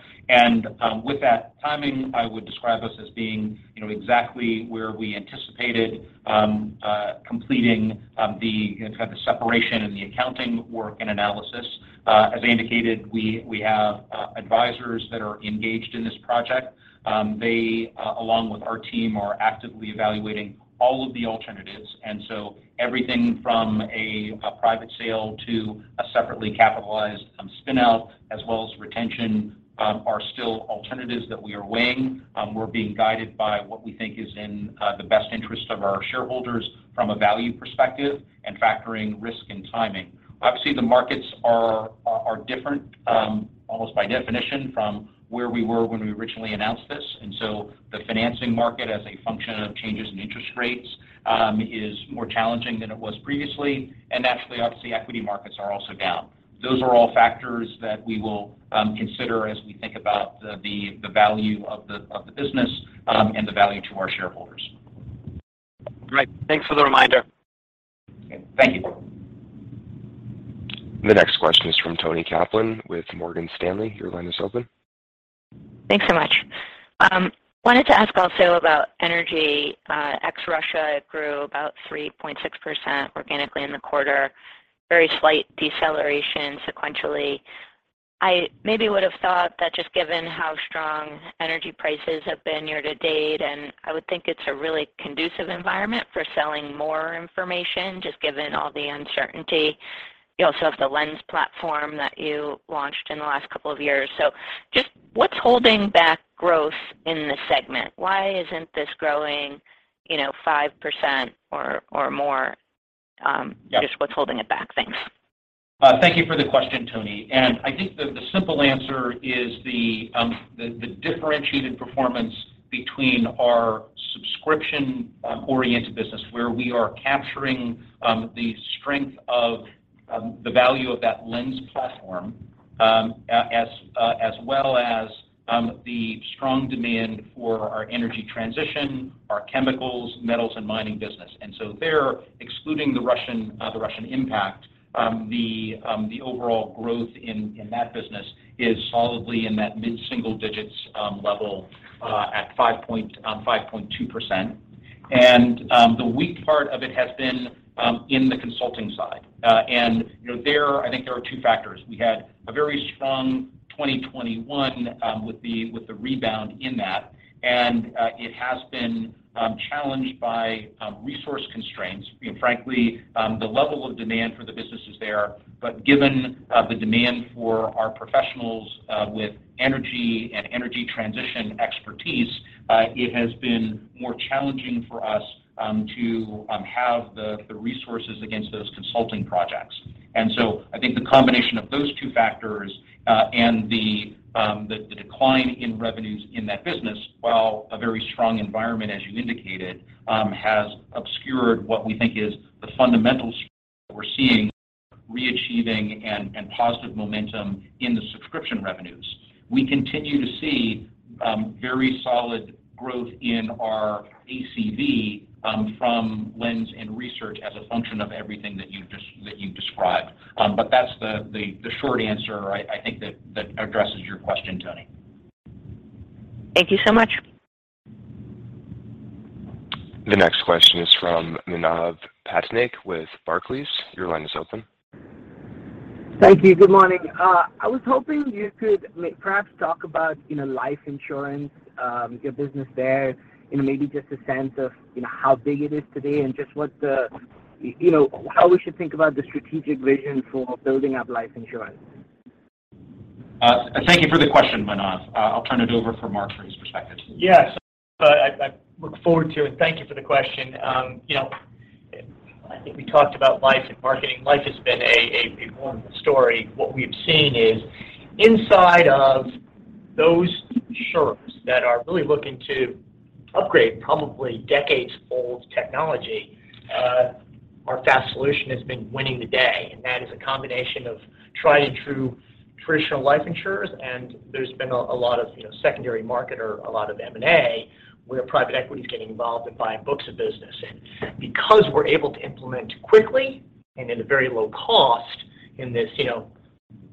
With that timing, I would describe us as being, you know, exactly where we anticipated completing the kind of separation and the accounting work and analysis. As I indicated, we have advisors that are engaged in this project. They, along with our team, are actively evaluating all of the alternatives. Everything from a private sale to a separately capitalized spin out as well as retention are still alternatives that we are weighing. We're being guided by what we think is in the best interest of our shareholders from a value perspective and factoring risk and timing. Obviously, the markets are different almost by definition from where we were when we originally announced this. The financing market as a function of changes in interest rates is more challenging than it was previously. Naturally, obviously, equity markets are also down. Those are all factors that we will consider as we think about the value of the business and the value to our shareholders. Great. Thanks for the reminder. Thank you. The next question is from Toni Kaplan with Morgan Stanley. Your line is open. Thanks so much. Wanted to ask also about energy. Ex-Russia grew about 3.6% organically in the quarter. Very slight deceleration sequentially. I maybe would have thought that just given how strong energy prices have been year to date, and I would think it's a really conducive environment for selling more information, just given all the uncertainty. You also have the Lens platform that you launched in the last couple of years. So just what's holding back growth in this segment? Why isn't this growing, you know, 5% or more? Yeah. Just what's holding it back? Thanks. Thank you for the question, Toni. I think the simple answer is the differentiated performance between our subscription oriented business, where we are capturing the strength of the value of that Lens platform, as well as the strong demand for our energy transition, our chemicals, metals and mining business. Excluding the Russian impact, the overall growth in that business is solidly in that mid-single digits level at 5.2%. The weak part of it has been in the consulting side. You know, I think there are two factors. We had a very strong 2021 with the rebound in that, and it has been challenged by resource constraints. You know, frankly, the level of demand for the business is there. Given the demand for our professionals with energy and energy transition expertise, it has been more challenging for us to have the resources against those consulting projects. I think the combination of those two factors and the decline in revenues in that business, while a very strong environment, as you indicated, has obscured what we think is the fundamental strength that we're seeing re-achieving and positive momentum in the subscription revenues. We continue to see very solid growth in our ACV from Lens and Research as a function of everything that you've described. That's the short answer I think that addresses your question, Toni. Thank you so much. The next question is from Manav Patnaik with Barclays. Your line is open. Thank you. Good morning. I was hoping you could perhaps talk about, you know, life insurance, your business there and maybe just a sense of, you know, how big it is today and just what the, you know, how we should think about the strategic vision for building up life insurance. Thank you for the question, Manav. I'll turn it over for Mark for his perspective. Yes. I look forward to it. Thank you for the question. You know, I think we talked about life and marketing. Life has been a wonderful story. What we've seen is inside of those insurers that are really looking to upgrade probably decades-old technology, our FAST solution has been winning the day. That is a combination of tried-and-true traditional life insurers, and there's been a lot of, you know, secondary market or a lot of M&A where private equity is getting involved in buying books of business. Because we're able to implement quickly and at a very low cost in this, you know,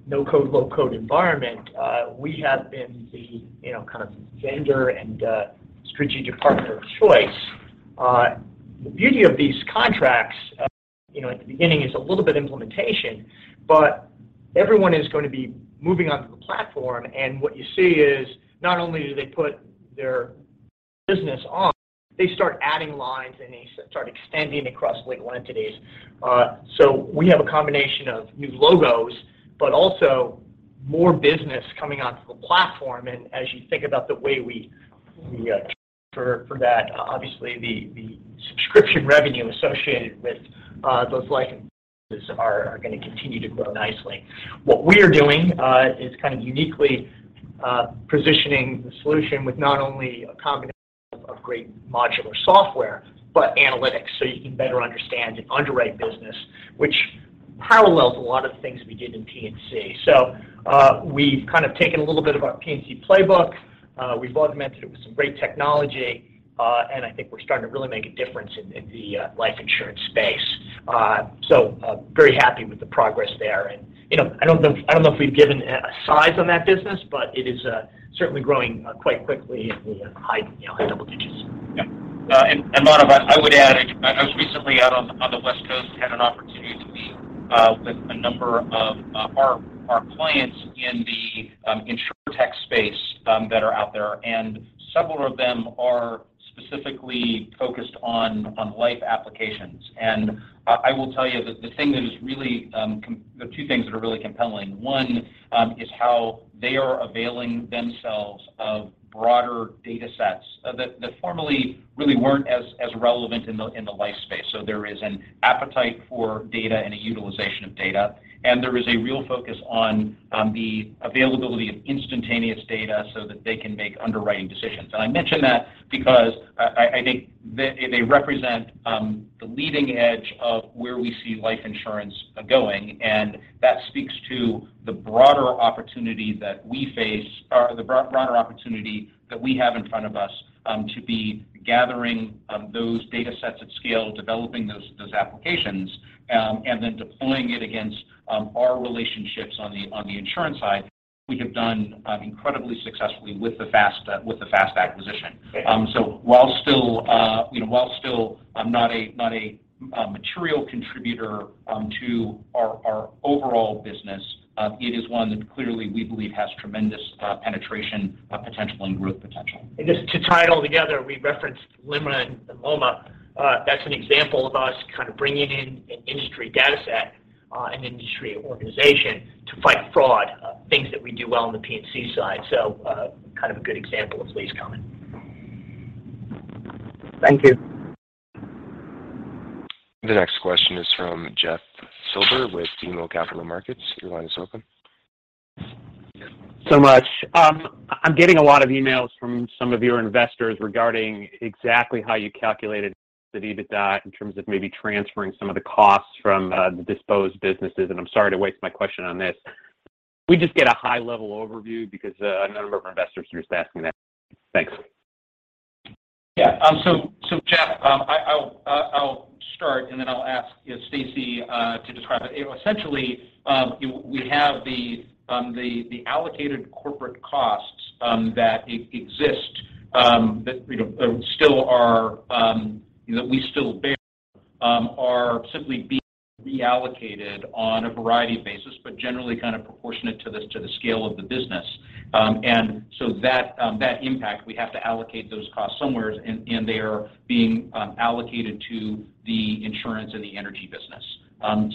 no-code/low-code environment, we have been the, you know, kind of vendor and strategic partner of choice. The beauty of these contracts, you know, at the beginning is a little bit implementation, but everyone is going to be moving onto the platform, and what you see is not only do they put their business on, they start adding lines, and they start extending across legal entities. We have a combination of new logos but also more business coming onto the platform. As you think about the way we transfer for that, obviously, the subscription revenue associated with those life insurers are gonna continue to grow nicely. What we are doing is kind of uniquely positioning the solution with not only a combination of great modular software but analytics, so you can better understand and underwrite business, which parallels a lot of things we did in P&C. We've kind of taken a little bit of our P&C playbook. We've augmented it with some great technology, and I think we're starting to really make a difference in the life insurance space. Very happy with the progress there. You know, I don't know if we've given a size on that business, but it is certainly growing quite quickly in the high double digits. Yeah. Manav, I would add, I was recently out on the West Coast and had an opportunity to meet with a number of our clients in the InsurTech space that are out there, and several of them are specifically focused on life applications. I will tell you the two things that are really compelling. One is how they are availing themselves of broader data sets that formerly really weren't as relevant in the life space. There is an appetite for data and a utilization of data, and there is a real focus on the availability of instantaneous data so that they can make underwriting decisions. I mention that because I think they represent the leading edge of where we see life insurance going, and that speaks to the broader opportunity that we have in front of us to be gathering those data sets at scale, developing those applications, and then deploying it against our relationships on the insurance side, which we've done incredibly successfully with the FAST acquisition. Okay. While still, you know, not a material contributor to our overall business, it is one that clearly we believe has tremendous penetration potential and growth potential. Just to tie it all together, we referenced LIMRA and LOMA. That's an example of us kind of bringing in an industry data set, an industry organization to fight fraud, things that we do well on the P&C side. Kind of a good example of Lee's comment. Thank you. The next question is from Jeff Silber with BMO Capital Markets. Your line is open. Thank you so much. I'm getting a lot of emails from some of your investors regarding exactly how you calculated the EBITDA in terms of maybe transferring some of the costs from the disposed businesses, and I'm sorry to waste my question on this. Can we just get a high-level overview because a number of our investors are just asking that? Thanks. Jeff, I'll start, and then I'll ask, you know, Stacey to describe it. You know, essentially, we have the allocated corporate costs that exist that we still bear are simply being reallocated on a variety of basis, but generally kind of proportionate to the scale of the business. That impact, we have to allocate those costs somewhere, and they are being allocated to the insurance and the energy business.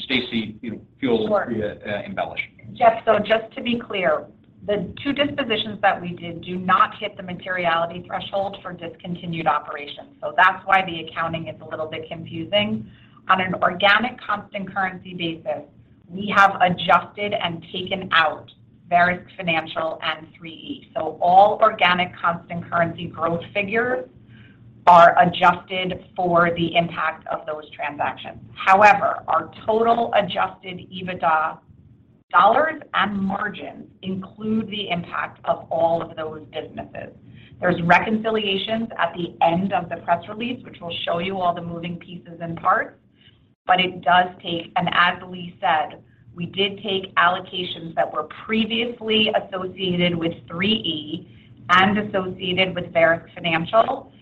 Stacey, you know, feel- Sure. Free to embellish. Jeff, just to be clear, the two dispositions that we did do not hit the materiality threshold for discontinued operations. That's why the accounting is a little bit confusing. On an organic constant currency basis, we have adjusted and taken out Verisk Financial and 3E. All organic constant currency growth figures are adjusted for the impact of those transactions. However, our total Adjusted EBITDA dollars and margins include the impact of all of those businesses. There's reconciliations at the end of the press release, which will show you all the moving pieces and parts. As Lee said, we did take allocations that were previously associated with 3E and associated with Verisk Financial,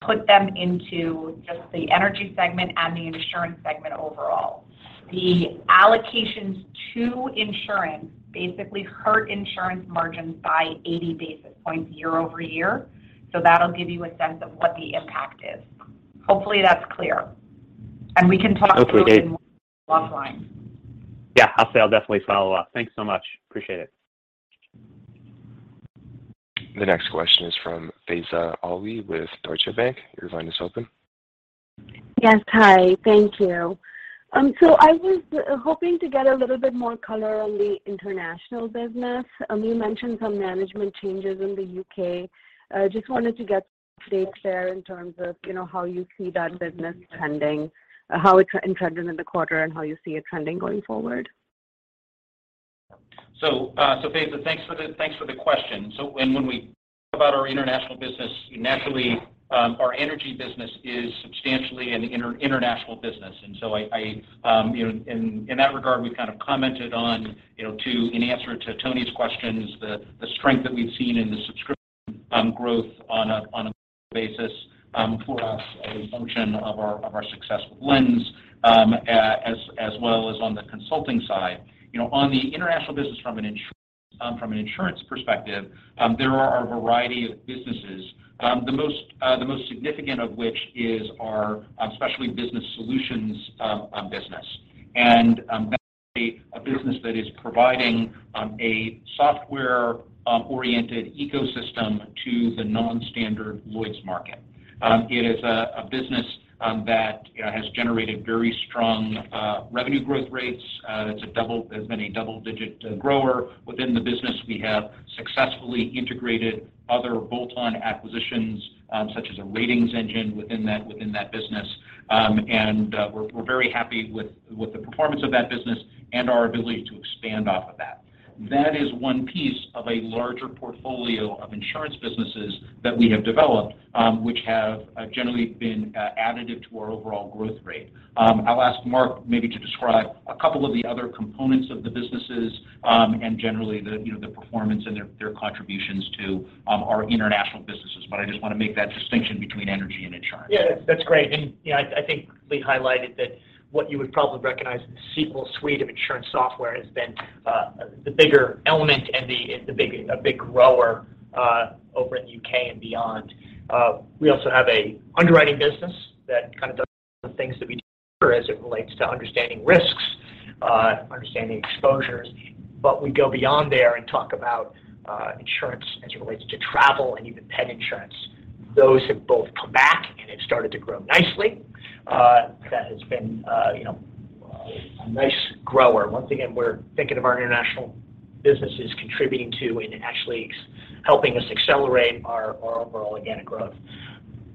put them into just the energy segment and the insurance segment overall. The allocations to insurance basically hurt insurance margins by 80 basis points year-over-year. That'll give you a sense of what the impact is. Hopefully, that's clear. We can talk through it more offline. Yeah, I'll say I'll definitely follow up. Thanks so much. Appreciate it. The next question is from Faiza Alwy with Deutsche Bank. Your line is open. Yes. Hi. Thank you. I was hoping to get a little bit more color on the international business. You mentioned some management changes in the U.K. I just wanted to get an update there in terms of, you know, how you see that business trending, how it's trending in the quarter and how you see it trending going forward. Faiza, thanks for the question. When we talk about our international business, naturally, our energy business is substantially an international business. You know, in that regard, we've kind of commented on, you know, in answer to Toni's questions, the strength that we've seen in the subscription growth on a basis, for us a function of our success with Lens, as well as on the consulting side. You know, on the international business from an insurance perspective, there are a variety of businesses. The most significant of which is our Specialty Business Solutions business. That's a business that is providing a software oriented ecosystem to the non-standard Lloyd's market. It is a business that has generated very strong revenue growth rates. It's been a double-digit grower within the business. We have successfully integrated other bolt-on acquisitions, such as a ratings engine within that business. We're very happy with the performance of that business and our ability to expand off of that. That is one piece of a larger portfolio of insurance businesses that we have developed, which have generally been additive to our overall growth rate. I'll ask Mark maybe to describe a couple of the other components of the businesses, and generally the performance and their contributions to our international businesses. I just want to make that distinction between energy and insurance. Yeah, that's great. You know, I think we highlighted that what you would probably recognize as the Sequel suite of insurance software has been the bigger element and the big grower over in the U.K. and beyond. We also have an underwriting business that kind of does some of the things that we do as it relates to understanding risks, understanding exposures. We go beyond there and talk about insurance as it relates to travel and even pet insurance. Those have both come back and have started to grow nicely. That has been, you know, a nice grower. Once again, we're thinking of our international businesses contributing to and actually helping us accelerate our overall organic growth.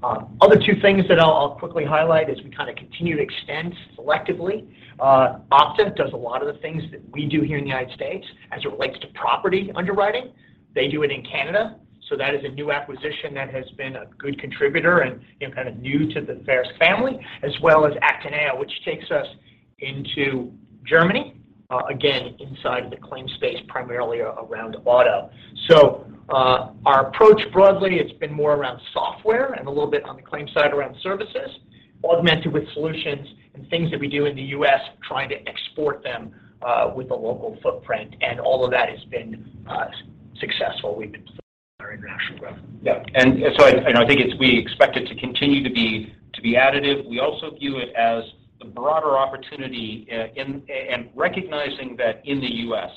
Other two things that I'll quickly highlight as we kind of continue to extend selectively. Opta does a lot of the things that we do here in the United States as it relates to property underwriting. They do it in Canada, so that is a new acquisition that has been a good contributor and, you know, kind of new to the Verisk family. As well as ACTINEO, which takes us into Germany, again, inside the claim space, primarily around auto. Our approach broadly, it's been more around software and a little bit on the claim side around services, augmented with solutions and things that we do in the U.S., trying to export them, with a local footprint. All of that has been successful. We've been our international growth. Yeah. I think it's we expect it to continue to be additive. We also view it as the broader opportunity in and recognizing that in the U.S.,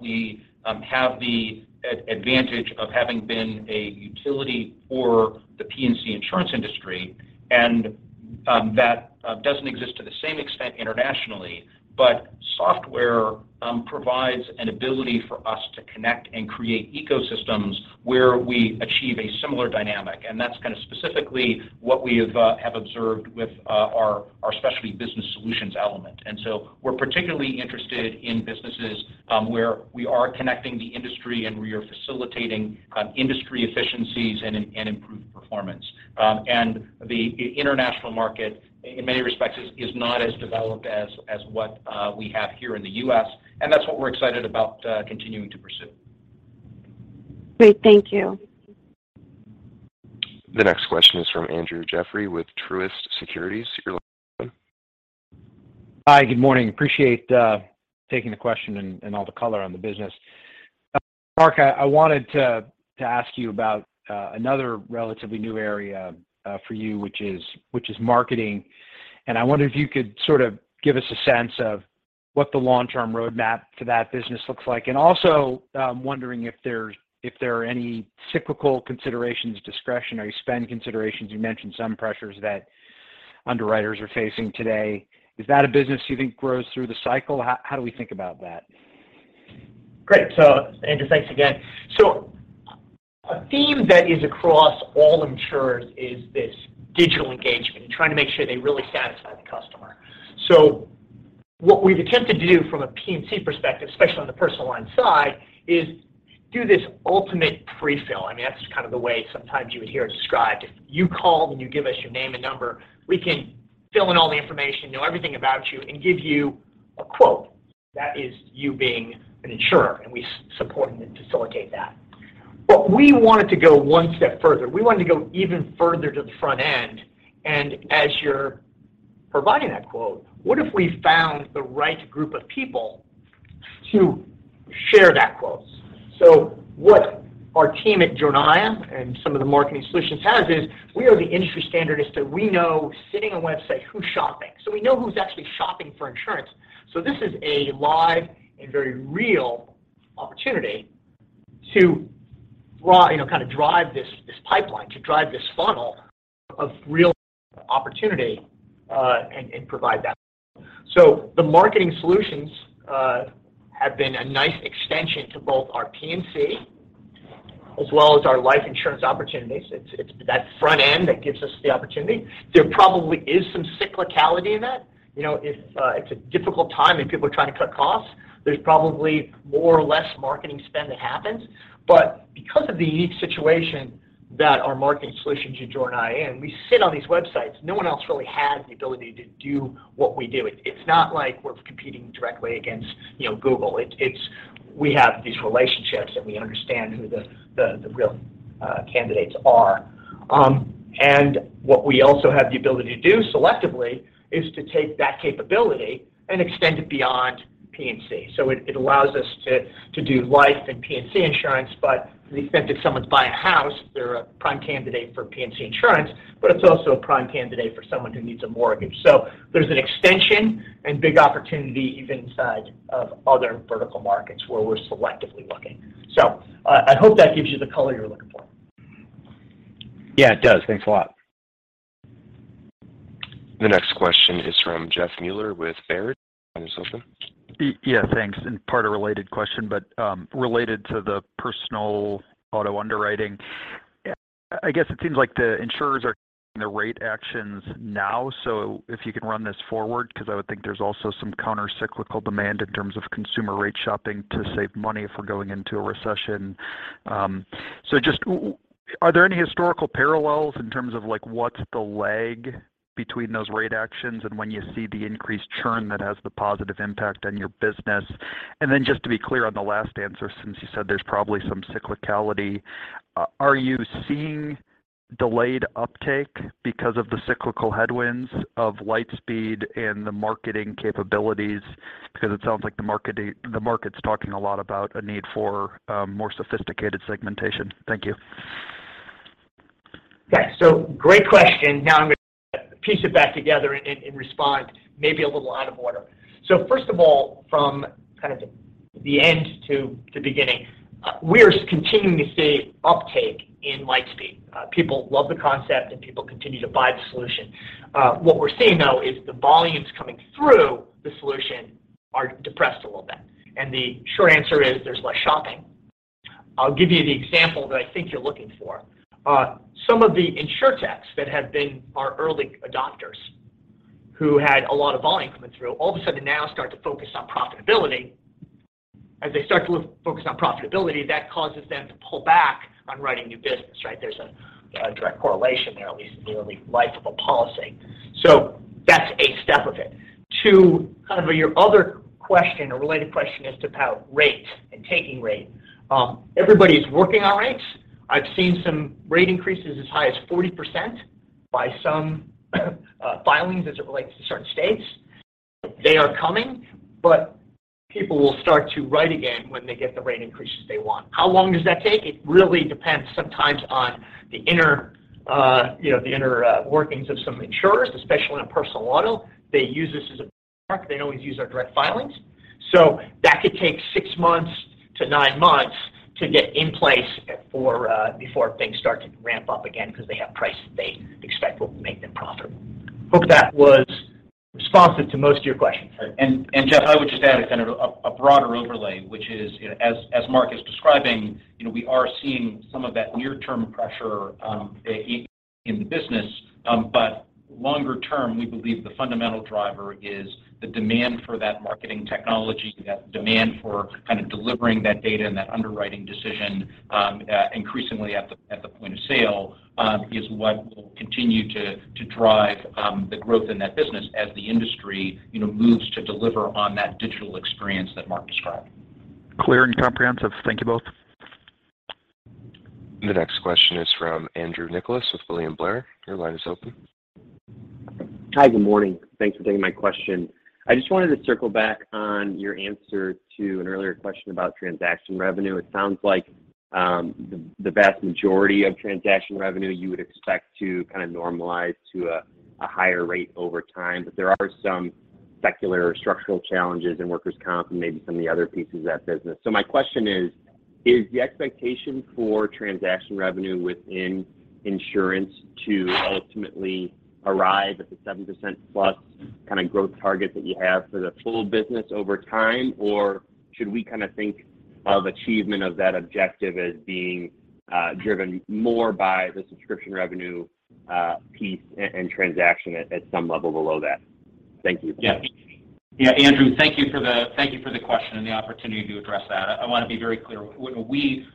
we have the advantage of having been a utility for the P&C insurance industry, and that doesn't exist to the same extent internationally. But software provides an ability for us to connect and create ecosystems where we achieve a similar dynamic, and that's kind of specifically what we have observed with our Specialty Business Solutions element. We're particularly interested in businesses where we are connecting the industry, and we are facilitating industry efficiencies and improved performance. The international market in many respects is not as developed as what we have here in the U.S., and that's what we're excited about continuing to pursue. Great. Thank you. The next question is from Andrew Jeffrey with Truist Securities. Your line is open. Hi. Good morning. Appreciate taking the question and all the color on the business. Mark, I wanted to ask you about another relatively new area for you, which is marketing, and I wonder if you could sort of give us a sense of what the long-term roadmap to that business looks like. Also, I'm wondering if there are any cyclical considerations, discretionary spend considerations. You mentioned some pressures that underwriters are facing today. Is that a business you think grows through the cycle? How do we think about that? Great. Andrew, thanks again. A theme that is across all insurers is this digital engagement and trying to make sure they really satisfy the customer. What we've attempted to do from a P&C perspective, especially on the personal line side, is do this ultimate pre-fill. I mean, that's kind of the way sometimes you would hear it described. If you call and you give us your name and number, we can fill in all the information, know everything about you, and give you a quote. That is you being an insurer, and we support and facilitate that. But we wanted to go one step further. We wanted to go even further to the front end. As you're providing that quote, what if we found the right group of people to share that quote. What our team at Jornaya and some of the marketing solutions has is, we are the industry standard as to we know sitting on a website who's shopping. We know who's actually shopping for insurance. This is a live and very real opportunity to you know, kind of drive this pipeline, to drive this funnel of real opportunity, and provide that. The marketing solutions have been a nice extension to both our P&C as well as our life insurance opportunities. It's that front end that gives us the opportunity. There probably is some cyclicality in that. You know, if it's a difficult time and people are trying to cut costs, there's probably more or less marketing spend that happens. Because of the unique situation that our marketing solutions at Jornaya, we sit on these websites. No one else really has the ability to do what we do. It's not like we're competing directly against, you know, Google. It's we have these relationships, and we understand who the real candidates are. What we also have the ability to do selectively is to take that capability and extend it beyond P&C. It allows us to do life and P&C insurance, but to the extent if someone's buying a house, they're a prime candidate for P&C insurance, but it's also a prime candidate for someone who needs a mortgage. There's an extension and big opportunity even inside of other vertical markets where we're selectively looking. I hope that gives you the color you're looking for. Yeah, it does. Thanks a lot. The next question is from Jeff Meuler with Baird. Your line is open. Yeah, thanks. In part, a related question, but related to the personal auto underwriting. I guess it seems like the insurers are taking the rate actions now, so if you can run this forward, 'cause I would think there's also some countercyclical demand in terms of consumer rate shopping to save money if we're going into a recession. So just are there any historical parallels in terms of like what's the lag between those rate actions and when you see the increased churn that has the positive impact on your business? Then just to be clear on the last answer, since you said there's probably some cyclicality, are you seeing delayed uptake because of the cyclical headwinds of LightSpeed and the marketing capabilities? Because it sounds like the marketing, the market's talking a lot about a need for more sophisticated segmentation. Thank you. Yeah. Great question. Now I'm gonna piece it back together and respond maybe a little out of order. First of all, from kind of the end to the beginning, we're continuing to see uptake in LightSpeed. People love the concept, and people continue to buy the solution. What we're seeing, though, is the volumes coming through the solution are depressed a little bit. The short answer is there's less shopping. I'll give you the example that I think you're looking for. Some of the InsurTechs that have been our early adopters who had a lot of volume coming through all of a sudden now start to focus on profitability. As they start to focus on profitability, that causes them to pull back on writing new business, right? There's a direct correlation there, at least in the early life of a policy. That's a step of it. To kind of your other question or related question as to how rates and taking rate, everybody's working on rates. I've seen some rate increases as high as 40% by some filings as it relates to certain states. They are coming, but people will start to write again when they get the rate increases they want. How long does that take? It really depends sometimes on the inner workings of some insurers, especially on a personal auto. They use this as a benchmark. They don't always use our direct filings. That could take six to nine months to get in place for, before things start to ramp up again because they have prices they expect will make them profitable. Hope that was responsive to most of your questions. Jeff, I would just add a kind of a broader overlay, which is, you know, as Mark is describing, you know, we are seeing some of that near term pressure in the business. But longer term, we believe the fundamental driver is the demand for that marketing technology, that demand for kind of delivering that data and that underwriting decision increasingly at the point of sale is what will continue to drive the growth in that business as the industry, you know, moves to deliver on that digital experience that Mark described. Clear and comprehensive. Thank you both. The next question is from Andrew Nicholas with William Blair. Your line is open. Hi. Good morning. Thanks for taking my question. I just wanted to circle back on your answer to an earlier question about transaction revenue. It sounds like the vast majority of transaction revenue you would expect to kind of normalize to a higher rate over time. There are some secular or structural challenges in workers' comp and maybe some of the other pieces of that business. My question is the expectation for transaction revenue within insurance to ultimately arrive at the 7%+ kinda growth target that you have for the full business over time? Or should we kinda think of achievement of that objective as being driven more by the subscription revenue piece and transaction at some level below that? Thank you. Yeah. Yeah, Andrew, thank you for the question and the opportunity to address that. I wanna be very clear. When we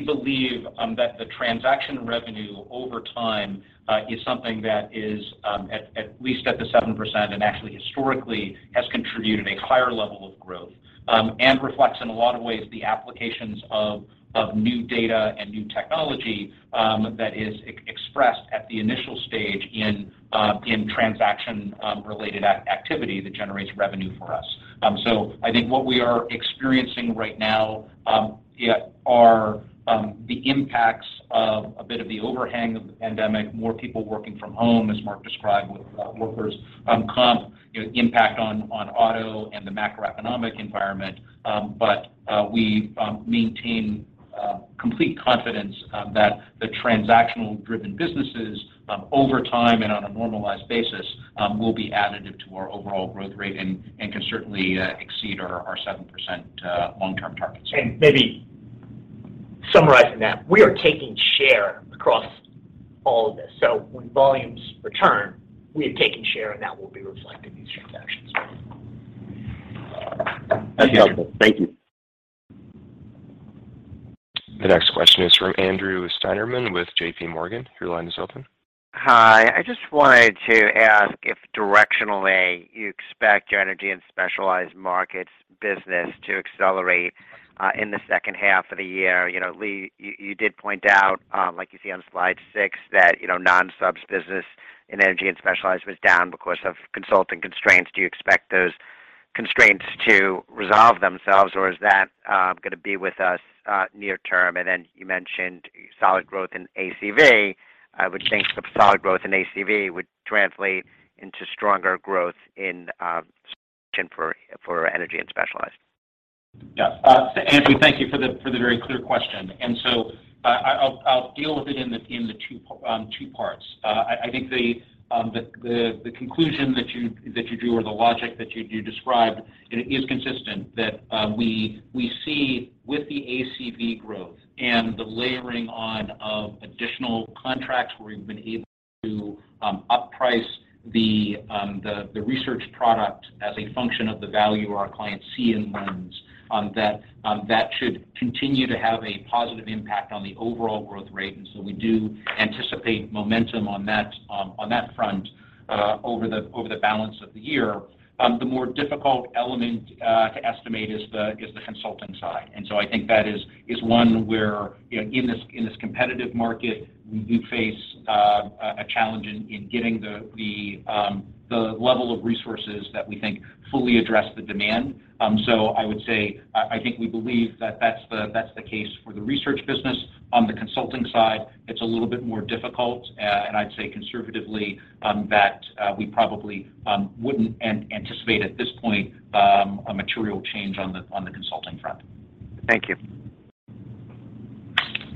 believe that the transaction revenue over time is something that is at least at the 7%, and actually historically has contributed a higher level of growth. It reflects in a lot of ways the applications of new data and new technology that is expressed at the initial stage in transaction related activity that generates revenue for us. I think what we are experiencing right now, yeah, are the impacts of a bit of the overhang of the pandemic, more people working from home, as Mark described with workers' comp, you know, impact on auto and the macroeconomic environment. We maintain complete confidence that the transactional driven businesses, over time and on a normalized basis, will be additive to our overall growth rate and can certainly exceed our 7% long-term targets. Maybe summarizing that, we are taking share across all of this. When volumes return, we have taken share, and that will be reflected in these transactions. That's helpful. Thank you. The next question is from Andrew Steinerman with J.P. Morgan. Your line is open. Hi. I just wanted to ask if directionally you expect your energy and specialized markets business to accelerate in the second half of the year. You know, Lee, you did point out, like you see on slide six, that you know, non-subs business in energy and specialized was down because of consulting constraints. Do you expect those constraints to resolve themselves, or is that gonna be with us near term? You mentioned solid growth in ACV. I think the solid growth in ACV would translate into stronger growth in subscription for energy and specialized. Yeah. Andrew, thank you for the very clear question. I'll deal with it in the two parts. I think the conclusion that you drew or the logic that you described is consistent with what we see with the ACV growth and the layering on of additional contracts where we've been able to up price the research product as a function of the value our clients see in Lens, that should continue to have a positive impact on the overall growth rate. We do anticipate momentum on that front over the balance of the year. The more difficult element to estimate is the consultant side. I think that is one where, you know, in this competitive market, we do face a challenge in getting the level of resources that we think fully address the demand. I would say I think we believe that that's the case for the research business. On the consulting side, it's a little bit more difficult. I'd say conservatively, that we probably wouldn't anticipate at this point, a material change on the consulting front. Thank you.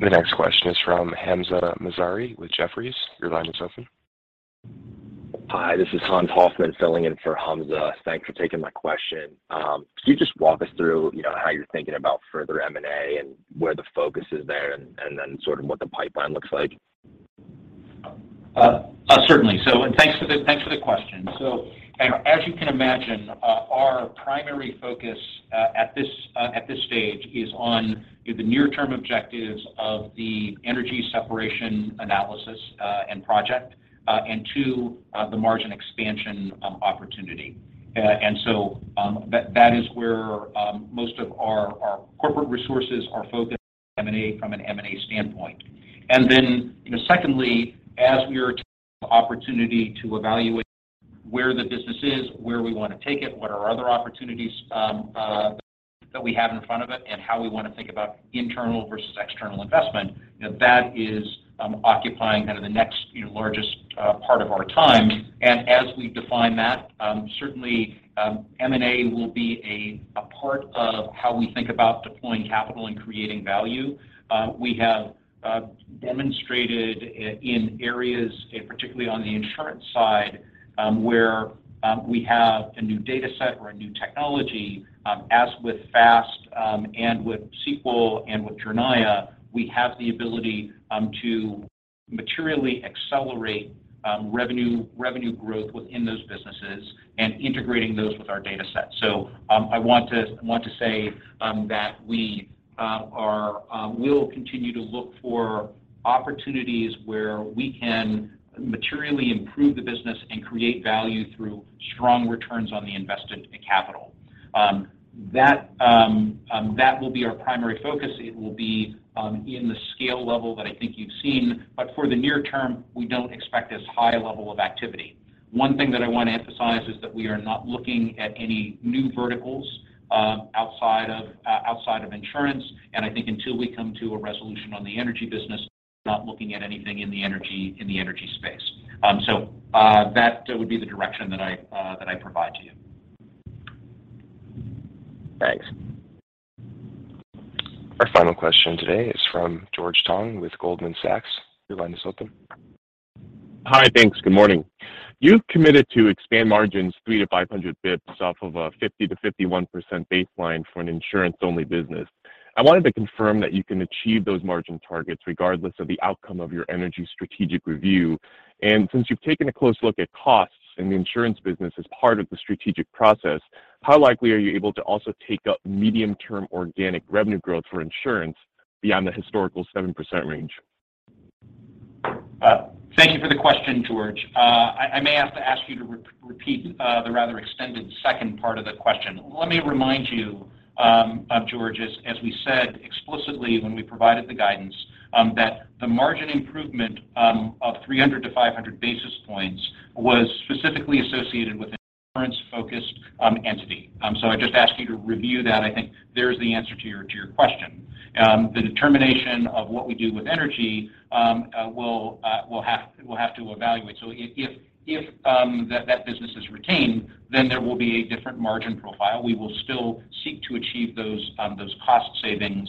The next question is from Hamza Mazari with Jefferies. Your line is open. Hi, this is Hans Hoffman filling in for Hamza. Thanks for taking my question. Could you just walk us through, you know, how you're thinking about further M&A and where the focus is there and then sort of what the pipeline looks like? Certainly so. Thanks for the question. As you can imagine, our primary focus at this stage is on the near-term objectives of the energy separation analysis and project and too the margin expansion opportunity. That is where most of our corporate resources are focused on M&A from an M&A standpoint. You know, secondly, as we are taking the opportunity to evaluate where the business is, where we wanna take it, what are other opportunities that we have in front of it, and how we wanna think about internal versus external investment, you know, that is occupying kind of the next largest part of our time. As we define that, certainly, M&A will be a part of how we think about deploying capital and creating value. We have demonstrated in areas, and particularly on the insurance side, where we have a new data set or a new technology, as with FAST, and with Sequel and with Jornaya, we have the ability to materially accelerate revenue growth within those businesses and integrating those with our data set. I want to say that we'll continue to look for opportunities where we can materially improve the business and create value through strong returns on the invested capital. That will be our primary focus. It will be in the scale level that I think you've seen. For the near term, we don't expect as high level of activity. One thing that I wanna emphasize is that we are not looking at any new verticals outside of insurance. I think until we come to a resolution on the energy business, we're not looking at anything in the energy space. That would be the direction that I provide to you. Thanks. Our final question today is from George Tong with Goldman Sachs. Your line is open. Hi. Thanks. Good morning. You've committed to expand margins 300-500 basis points off of a 50%-51% baseline for an insurance-only business. I wanted to confirm that you can achieve those margin targets regardless of the outcome of your energy strategic review. Since you've taken a close look at costs in the insurance business as part of the strategic process, how likely are you able to also take up medium-term organic revenue growth for insurance beyond the historical 7% range? Thank you for the question, George. I may have to ask you to repeat the rather extended second part of the question. Let me remind you, George, as we said explicitly when we provided the guidance, that the margin improvement of 300-500 basis points was specifically associated with insurance-focused entity. So I'd just ask you to review that. I think there's the answer to your question. The determination of what we do with energy, we'll have to evaluate. So if that business is retained, then there will be a different margin profile. We will still seek to achieve those cost savings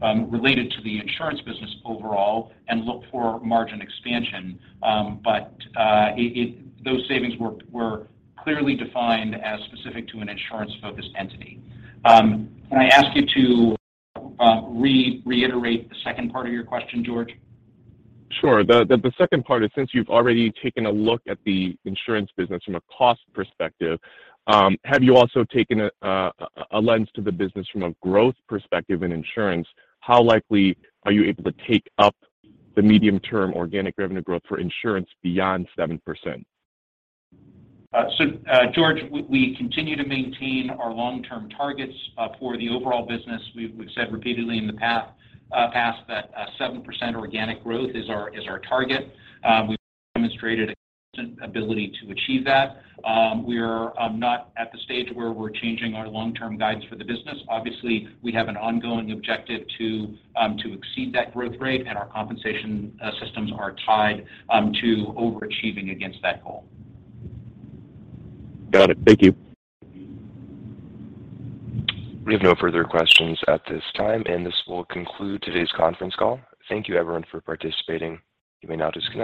related to the insurance business overall and look for margin expansion. But it... Those savings were clearly defined as specific to an insurance-focused entity. Can I ask you to reiterate the second part of your question, George? Sure. The second part is, since you've already taken a look at the insurance business from a cost perspective, have you also taken a lens to the business from a growth perspective in insurance? How likely are you able to take up the medium-term organic revenue growth for insurance beyond 7%? George, we continue to maintain our long-term targets for the overall business. We've said repeatedly in the past that 7% organic growth is our target. We've demonstrated a constant ability to achieve that. We're not at the stage where we're changing our long-term guidance for the business. Obviously, we have an ongoing objective to exceed that growth rate, and our compensation systems are tied to overachieving against that goal. Got it. Thank you. We have no further questions at this time, and this will conclude today's conference call. Thank you everyone for participating. You may now disconnect.